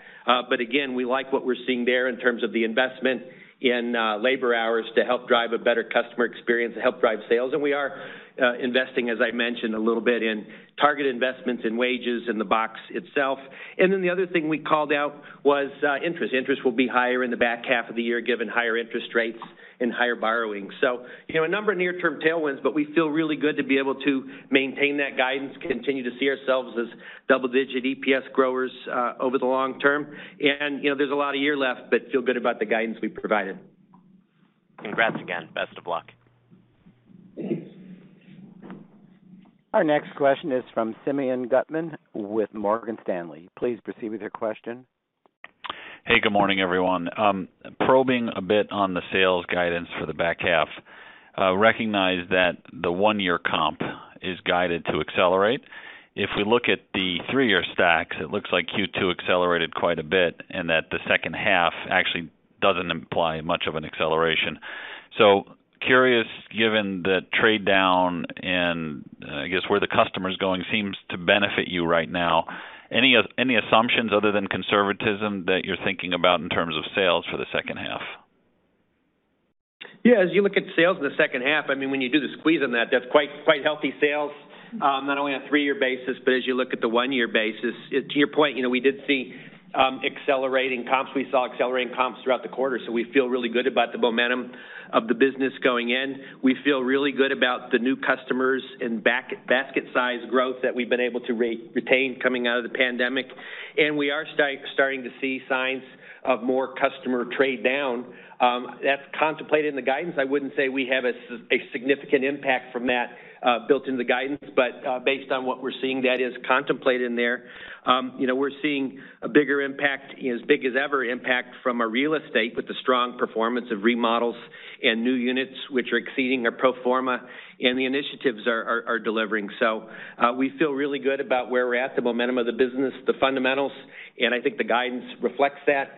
But again, we like what we're seeing there in terms of the investment in labor hours to help drive a better customer experience and help drive sales. We are investing, as I mentioned a little bit, in target investments in wages in the box itself. Then the other thing we called out was interest. Interest will be higher in the back half of the year given higher interest rates and higher borrowing. You know, a number of near-term tailwinds, but we feel really good to be able to maintain that guidance, continue to see ourselves as double-digit EPS growers over the long term. You know, there's a lot of year left, but feel good about the guidance we provided. Congrats again. Best of luck. Thank you. Our next question is from Simeon Gutman with Morgan Stanley. Please proceed with your question. Hey, good morning, everyone. Probing a bit on the sales guidance for the back half, recognize that the 1-year comp is guided to accelerate. We look at the three-year stacks, it looks like Q2 accelerated quite a bit and that the second half actually doesn't imply much of an acceleration. Curious, given the trade down and I guess where the customer's going seems to benefit you right now. Any assumptions other than conservatism that you're thinking about in terms of sales for the second half? Yeah. As you look at sales in the second half, I mean, when you do the squeeze on that's quite healthy sales, not only on a three-year basis, but as you look at the one-year basis. To your point, you know, we did see accelerating comps. We saw accelerating comps throughout the quarter. We feel really good about the momentum of the business going in. We feel really good about the new customers and basket size growth that we've been able to retain coming out of the pandemic. We are starting to see signs of more customer trade down. That's contemplated in the guidance. I wouldn't say we have a significant impact from that built into the guidance, based on what we're seeing, that is contemplated in there. You know, we're seeing a bigger impact, as big as ever impact from our real estate with the strong performance of remodels and new units which are exceeding our pro forma and the initiatives are delivering. We feel really good about where we're at, the momentum of the business, the fundamentals, and I think the guidance reflects that,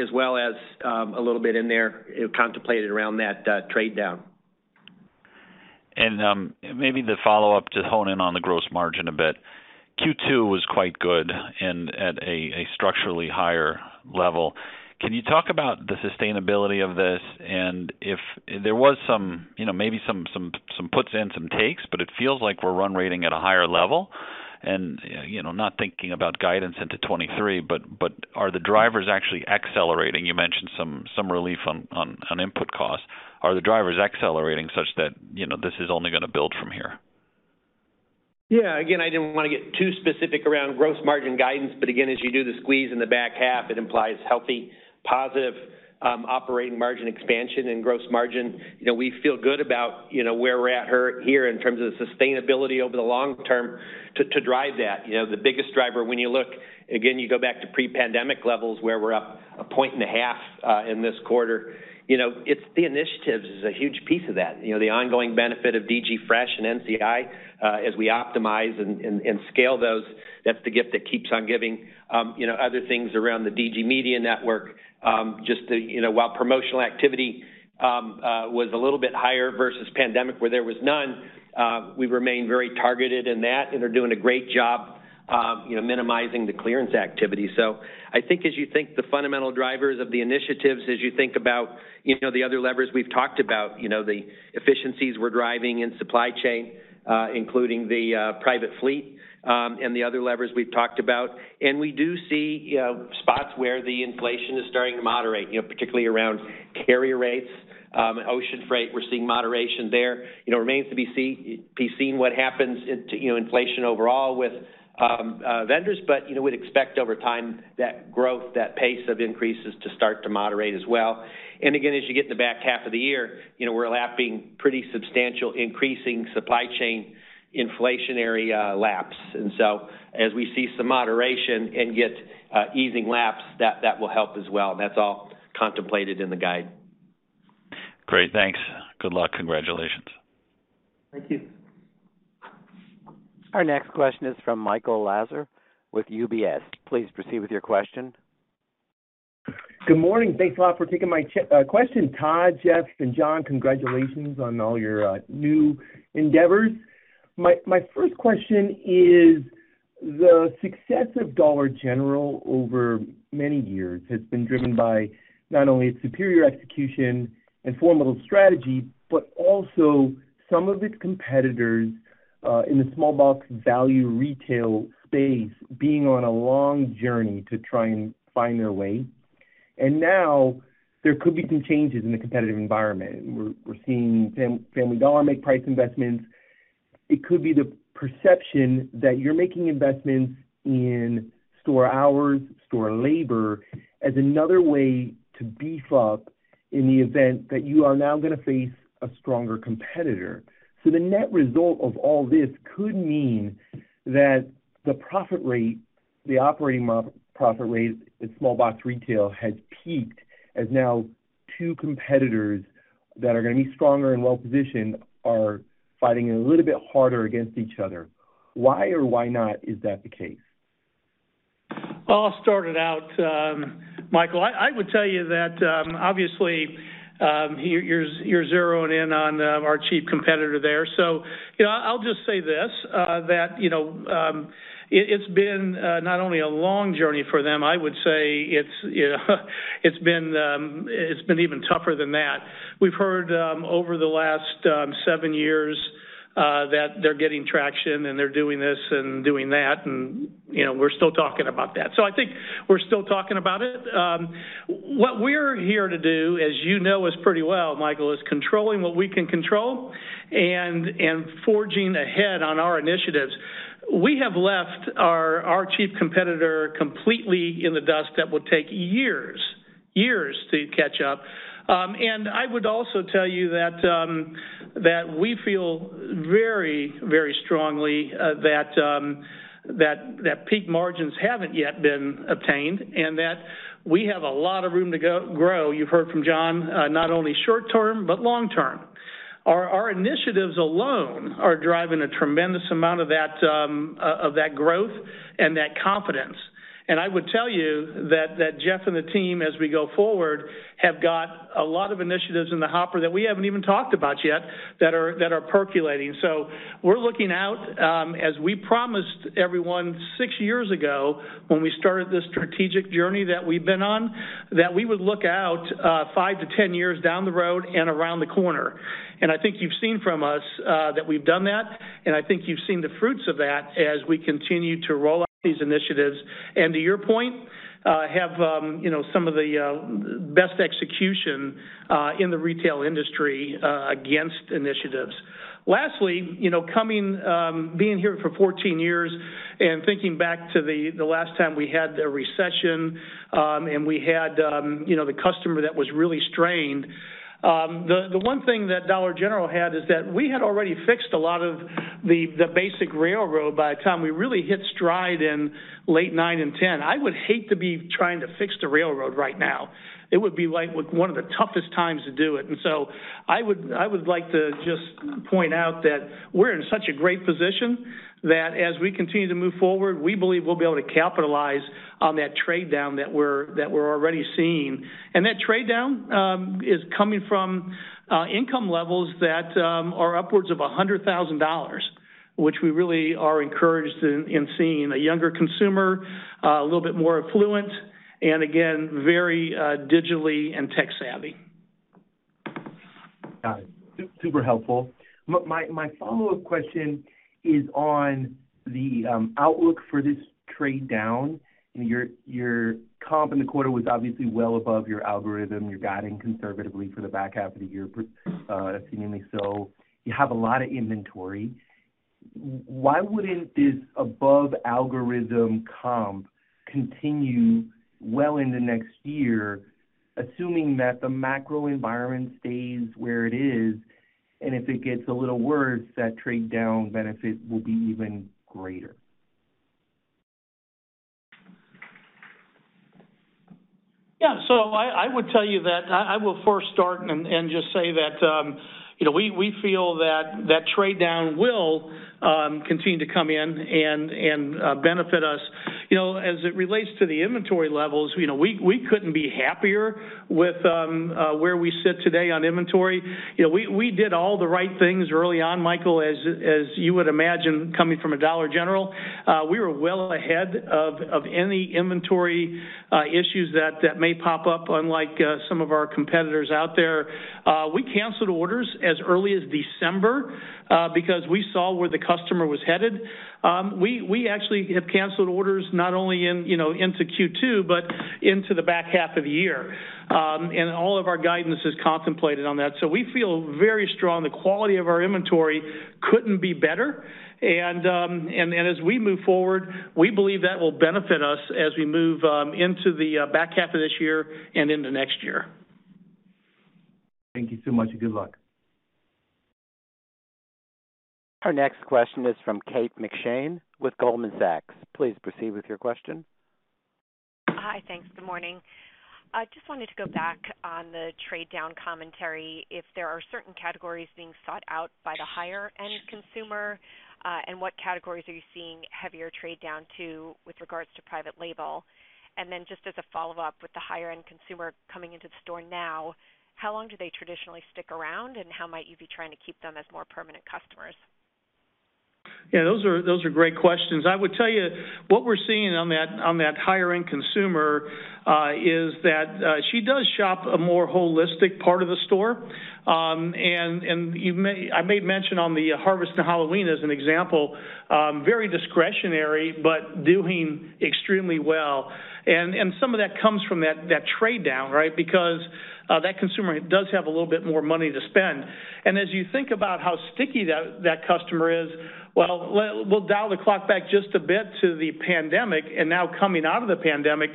as well as, a little bit in there contemplated around that trade down. Maybe the follow-up to hone in on the gross margin a bit. Q2 was quite good and at a structurally higher level. Can you talk about the sustainability of this? If there was some, you know, maybe some puts in, some takes, but it feels like we're run rating at a higher level. You know, not thinking about guidance into 2023, but are the drivers actually accelerating? You mentioned some relief on input costs. Are the drivers accelerating such that, you know, this is only gonna build from here? Again, I didn't wanna get too specific around gross margin guidance, again, as you do the squeeze in the back half, it implies healthy, positive operating margin expansion and gross margin. You know, we feel good about, you know, where we're at here in terms of the sustainability over the long term to drive that. You know, the biggest driver again, you go back to pre-pandemic levels where we're up a point and a half in this quarter. You know, it's the initiatives is a huge piece of that. You know, the ongoing benefit of DG Fresh and NCI, as we optimize and scale those, that's the gift that keeps on giving. You know, other things around the DG Media Network, just the, you know, while promotional activity, was a little bit higher versus pandemic where there was none, we remain very targeted in that and are doing a great job. You know, minimizing the clearance activity. I think as you think the fundamental drivers of the initiatives, as you think about, you know, the other levers we've talked about, you know, the efficiencies we're driving in supply chain, including the private fleet, and the other levers we've talked about. We do see, you know, spots where the inflation is starting to moderate, you know, particularly around carrier rates. Ocean freight, we're seeing moderation there. You know, remains to be seen what happens to, you know, inflation overall with vendors. You know, we'd expect over time that growth, that pace of increases to start to moderate as well. Again, as you get in the back half of the year, you know, we're lapping pretty substantial increasing supply chain inflationary laps. As we see some moderation and get easing laps, that will help as well. That's all contemplated in the guide. Great. Thanks. Good luck. Congratulations. Thank you. Our next question is from Michael Lasser with UBS. Please proceed with your question. Good morning. Thanks a lot for taking my question. Todd, Jeff, and John, congratulations on all your new endeavors. My first question is, the success of Dollar General over many years has been driven by not only its superior execution and formidable strategy, but also some of its competitors in the small box value retail space being on a long journey to try and find their way. Now there could be some changes in the competitive environment. We're seeing Family Dollar make price investments. It could be the perception that you're making investments in store hours, store labor as another way to beef up in the event that you are now gonna face a stronger competitor. The net result of all this could mean that the profit rate, the operating profit rates in small box retail has peaked, as now two competitors that are gonna be stronger and well-positioned are fighting a little bit harder against each other. Why or why not is that the case? I'll start it out, Michael. I would tell you that, obviously, you're zeroing in on our chief competitor there. You know, I'll just say this, that, you know, it's been not only a long journey for them, I would say it's, you know, it's been even tougher than that. We've heard over the last seven years that they're getting traction, and they're doing this and doing that, and, you know, we're still talking about that. I think we're still talking about it. What we're here to do, as you know us pretty well, Michael, is controlling what we can control and forging ahead on our initiatives. We have left our chief competitor completely in the dust that will take years to catch up. I would also tell you that we feel very, very strongly, that peak margins haven't yet been obtained and that we have a lot of room to grow, you've heard from John, not only short-term but long-term. Our, our initiatives alone are driving a tremendous amount of that, of that growth and that confidence. I would tell you that Jeff and the team, as we go forward, have got a lot of initiatives in the hopper that we haven't even talked about yet that are percolating. We're looking out, as we promised everyone six years ago when we started this strategic journey that we've been on, that we would look out, 5-10 years down the road and around the corner. I think you've seen from us that we've done that, and I think you've seen the fruits of that as we continue to roll out these initiatives. To your point, have, you know, some of the best execution in the retail industry against initiatives. Lastly, you know, coming being here for 14 years and thinking back to the last time we had a recession, and we had, you know, the customer that was really strained, the one thing that Dollar General had is that we had already fixed a lot of the basic railroad by the time we really hit stride in late nine and ten. I would hate to be trying to fix the railroad right now. It would be like one of the toughest times to do it. I would like to just point out that we're in such a great position that as we continue to move forward, we believe we'll be able to capitalize on that trade down that we're already seeing. That trade down is coming from income levels that are upwards of $100,000, which we really are encouraged in seeing a younger consumer a little bit more affluent and again, very digitally and tech-savvy. Got it. Super helpful. My follow-up question is on the outlook for this trade down. Your comp in the quarter was obviously well above your algorithm. You're guiding conservatively for the back half of the year, but seemingly so. You have a lot of inventory. Why wouldn't this above algorithm comp continue well in the next year, assuming that the macro environment stays where it is, and if it gets a little worse, that trade down benefit will be even greater? Yeah. I would tell you that I will first start and just say that, you know, we feel that that trade down will continue to come in and benefit us. You know, as it relates to the inventory levels, you know, we couldn't be happier with where we sit today on inventory. You know, we did all the right things early on, Michael, as you would imagine, coming from a Dollar General. We were well ahead of any inventory issues that may pop up, unlike some of our competitors out there. We canceled orders as early as December, because we saw where the customer was headed. We actually have canceled orders not only in, you know, into Q2, but into the back half of the year. All of our guidance is contemplated on that. We feel very strong. The quality of our inventory couldn't be better. As we move forward, we believe that will benefit us as we move into the back half of this year and into next year. Thank you so much. Good luck. Our next question is from Kate McShane with Goldman Sachs. Please proceed with your question. Hi. Thanks. Good morning. I just wanted to go back on the trade down commentary if there are certain categories being sought out by the higher-end consumer, and what categories are you seeing heavier trade down to with regards to private label? Just as a follow-up, with the higher-end consumer coming into the store now, how long do they traditionally stick around, and how might you be trying to keep them as more permanent customers? Yeah, those are great questions. I would tell you what we're seeing on that higher-end consumer is that she does shop a more holistic part of the store. I made mention on the harvest and Halloween as an example, very discretionary but doing extremely well. Some of that comes from that trade down, right? Because that consumer does have a little bit more money to spend. As you think about how sticky that customer is, well, we'll dial the clock back just a bit to the pandemic, and now coming out of the pandemic,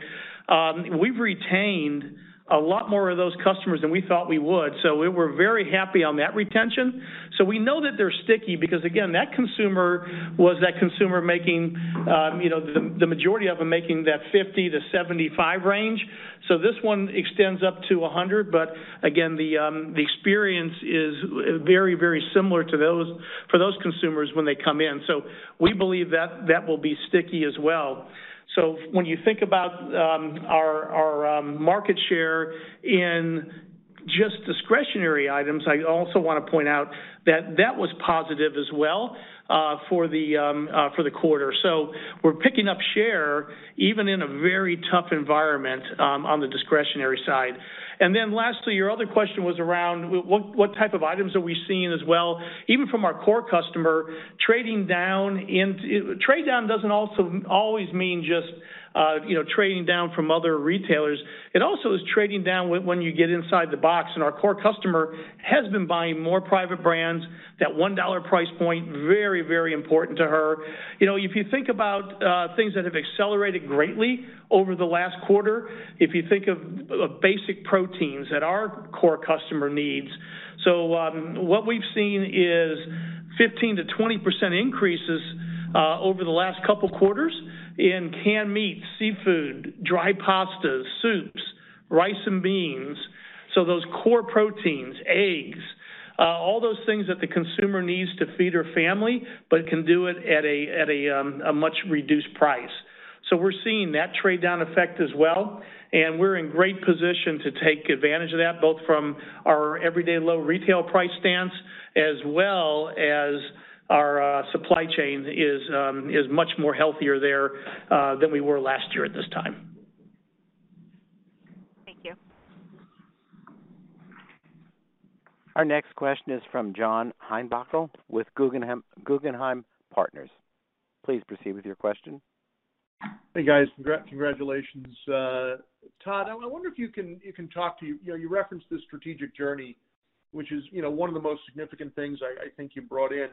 we've retained a lot more of those customers than we thought we would. We were very happy on that retention. We know that they're sticky because, again, that consumer was that consumer making, the majority of them making that 50-75 range. This one extends up to 100. Again, the experience is very, very similar for those consumers when they come in. We believe that that will be sticky as well. When you think about our market share in just discretionary items, I also wanna point out that that was positive as well for the quarter. We're picking up share even in a very tough environment on the discretionary side. Lastly, your other question was around what type of items are we seeing as well, even from our core customer trading down into... Trade down doesn't always mean just, you know, trading down from other retailers. It also is trading down when you get inside the box, and our core customer has been buying more private brands. That $1 price point, very, very important to her. You know, if you think about things that have accelerated greatly over the last quarter, if you think of basic proteins that our core customer needs. What we've seen is 15%-20% increases over the last couple quarters in canned meat, seafood, dry pastas, soups, rice and beans. Those core proteins, eggs, all those things that the consumer needs to feed her family, but can do it at a much reduced price. We're seeing that trade down effect as well, and we're in great position to take advantage of that, both from our everyday low retail price stance as well as our supply chain is much more healthier there than we were last year at this time. Thank you. Our next question is from John Heinbockel with Guggenheim Partners. Please proceed with your question. Hey, guys. Congratulations. Todd, I wonder if you can talk to, you know, you referenced the strategic journey, which is, you know, one of the most significant things I think you brought in.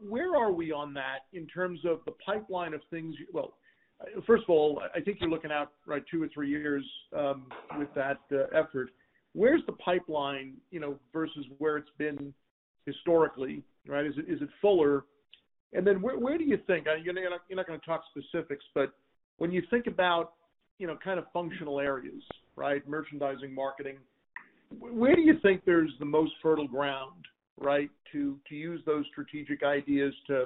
Where are we on that in terms of the pipeline of things? Well, first of all, I think you're looking out, right, two or three years, with that effort. Where's the pipeline, you know, versus where it's been historically, right? Is it fuller? Then where do you think? You're not gonna talk specifics, but when you think about, you know, kind of functional areas, right? Merchandising, marketing, where do you think there's the most fertile ground, right, to use those strategic ideas to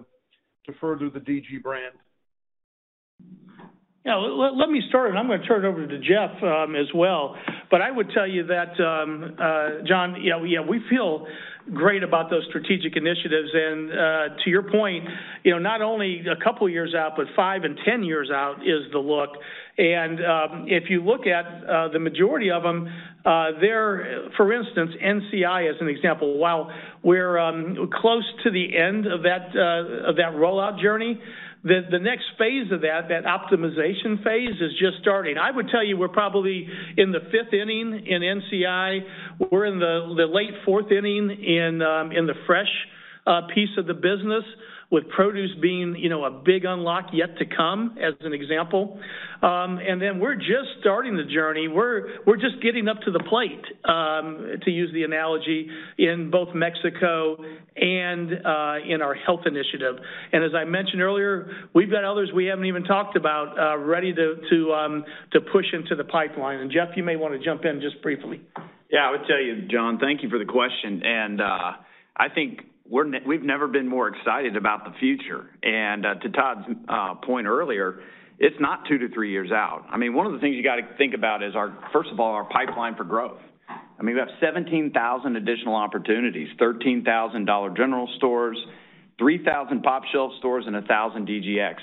further the DG brand? Yeah. Let me start, I'm gonna turn it over to Jeff as well. I would tell you that, John, you know, yeah, we feel great about those strategic initiatives. To your point, you know, not only a couple years out, but 5 and 10 years out is the look. If you look at the majority of them, for instance, NCI as an example, while we're close to the end of that rollout journey, the next phase of that optimization phase is just starting. I would tell you we're probably in the fifth inning in NCI. We're in the late fourth inning in the fresh piece of the business with produce being, you know, a big unlock yet to come, as an example. We're just starting the journey. We're, we're just getting up to the plate, to use the analogy in both Mexico and, in our health initiative. As I mentioned earlier, we've got others we haven't even talked about, ready to, to push into the pipeline. Jeff, you may wanna jump in just briefly. I would tell you, John, thank you for the question. I think we've never been more excited about the future. To Todd's point earlier, it's not two to three years out. I mean, one of the things you gotta think about is our, first of all, our pipeline for growth. I mean, we have 17,000 additional opportunities, 13,000 Dollar General stores, 3,000 pOpshelf stores, and 1,000 DGX.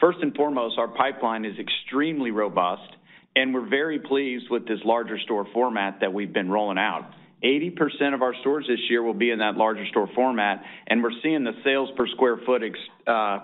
First and foremost, our pipeline is extremely robust, and we're very pleased with this larger store format that we've been rolling out. 80% of our stores this year will be in that larger store format, and we're seeing the sales per square foot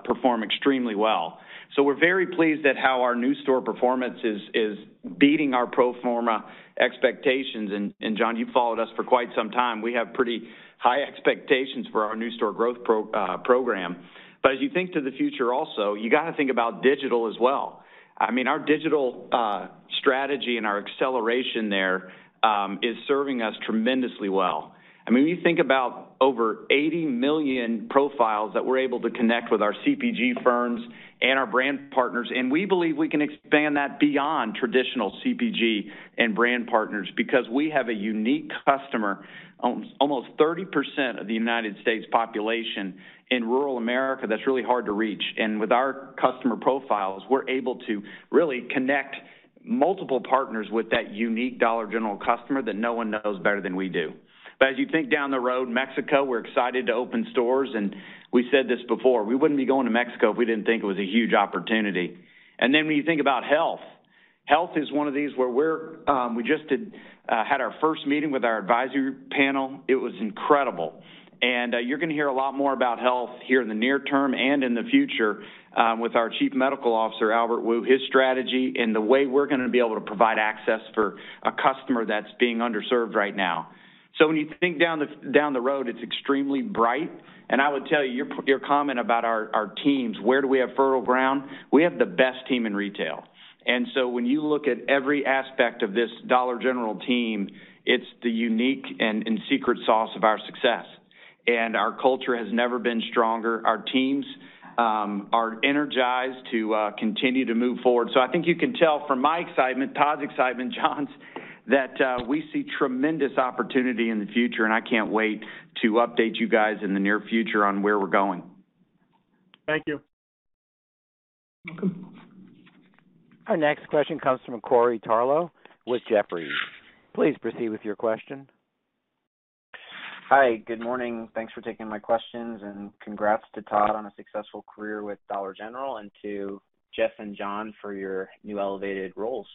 perform extremely well. We're very pleased at how our new store performance is beating our pro forma expectations. John, you've followed us for quite some time. We have pretty high expectations for our new store growth program. As you think to the future also, you gotta think about digital as well. I mean, our digital strategy and our acceleration there is serving us tremendously well. I mean, when you think about over 80 million profiles that we're able to connect with our CPG firms and our brand partners, and we believe we can expand that beyond traditional CPG and brand partners because we have a unique customer, almost 30% of the United States population in rural America that's really hard to reach. With our customer profiles, we're able to really connect multiple partners with that unique Dollar General customer that no one knows better than we do. As you think down the road, Mexico, we're excited to open stores, and we said this before. We wouldn't be going to Mexico if we didn't think it was a huge opportunity. When you think about health is one of these where we're. We just had our first meeting with our advisory panel. It was incredible. You're gonna hear a lot more about health here in the near term and in the future, with our Chief Medical Officer, Albert Wu, his strategy and the way we're gonna be able to provide access for a customer that's being underserved right now. When you think down the road, it's extremely bright, and I would tell you, your comment about our teams, where do we have fertile ground? We have the best team in retail. When you look at every aspect of this Dollar General team, it's the unique and secret sauce of our success. Our culture has never been stronger. Our teams are energized to continue to move forward. I think you can tell from my excitement, Todd's excitement, John's, that we see tremendous opportunity in the future, and I can't wait to update you guys in the near future on where we're going. Thank you. Welcome. Our next question comes from Corey Tarlowe with Jefferies. Please proceed with your question. Hi, good morning. Thanks for taking my questions, and congrats to Todd on a successful career with Dollar General and to Jeff and John for your new elevated roles.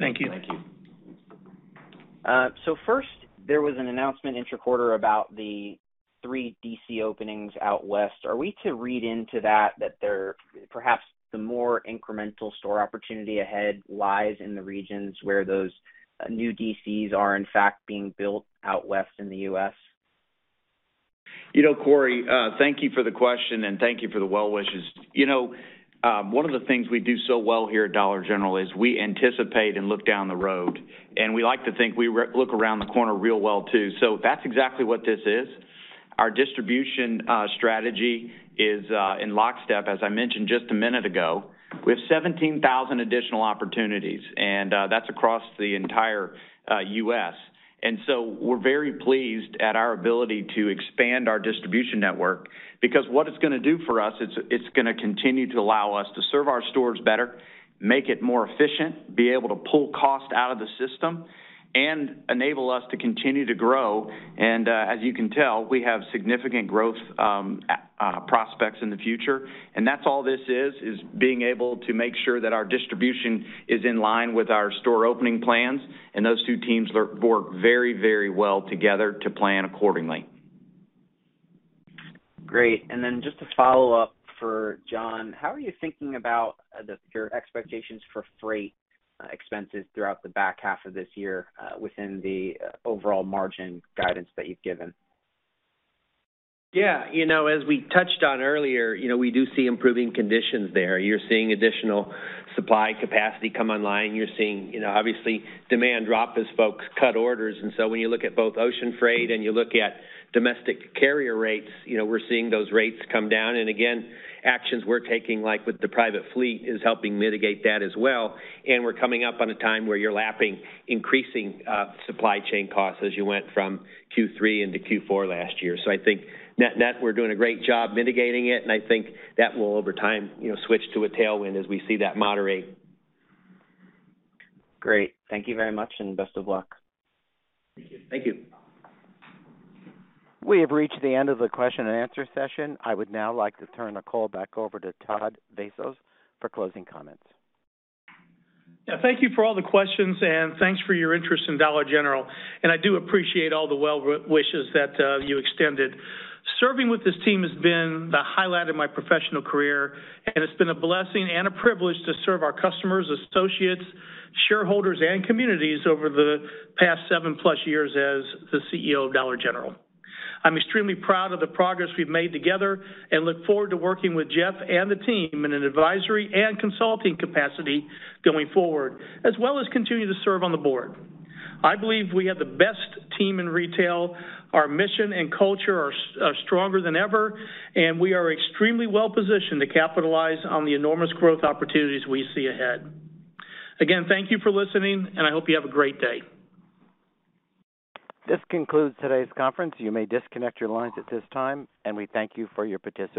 Thank you. Thank you. First, there was an announcement interquarter about the three D.C. openings out west. Are we to read into that there perhaps the more incremental store opportunity ahead lies in the regions where those new D.C.s are in fact being built out west in the U.S.? You know, Corey, thank you for the question, and thank you for the well wishes. You know, one of the things we do so well here at Dollar General is we anticipate and look down the road, and we like to think we look around the corner real well too. That's exactly what this is. Our distribution strategy is in lockstep. As I mentioned just a minute ago, we have 17,000 additional opportunities, and that's across the entire U.S. We're very pleased at our ability to expand our distribution network because what it's gonna do for us, it's gonna continue to allow us to serve our stores better, make it more efficient, be able to pull cost out of the system, and enable us to continue to grow. As you can tell, we have significant growth, prospects in the future. That's all this is being able to make sure that our distribution is in line with our store opening plans, and those two teams work very, very well together to plan accordingly. Great. Just to follow up for John, how are you thinking about your expectations for freight expenses throughout the back half of this year, within the overall margin guidance that you've given? Yeah. You know, as we touched on earlier, you know, we do see improving conditions there. You're seeing additional supply capacity come online. You're seeing, you know, obviously demand drop as folks cut orders. When you look at both ocean freight and you look at domestic carrier rates, you know, we're seeing those rates come down. Again, actions we're taking, like with the private fleet, is helping mitigate that as well. We're coming up on a time where you're lapping increasing supply chain costs as you went from Q3 into Q4 last year. I think net, we're doing a great job mitigating it, and I think that will over time, you know, switch to a tailwind as we see that moderate. Great. Thank you very much, and best of luck. Thank you. Thank you. We have reached the end of the question and answer session. I would now like to turn the call back over to Todd Vasos for closing comments. Yeah, thank you for all the questions, and thanks for your interest in Dollar General, and I do appreciate all the well wishes that you extended. Serving with this team has been the highlight of my professional career, and it's been a blessing and a privilege to serve our customers, associates, shareholders, and communities over the past 7+ years as the CEO of Dollar General. I'm extremely proud of the progress we've made together and look forward to working with Jeff and the team in an advisory and consulting capacity going forward, as well as continue to serve on the board. I believe we have the best team in retail. Our mission and culture are stronger than ever, and we are extremely well-positioned to capitalize on the enormous growth opportunities we see ahead. Again, thank you for listening, and I hope you have a great day. This concludes today's conference. You may disconnect your lines at this time, and we thank you for your participation.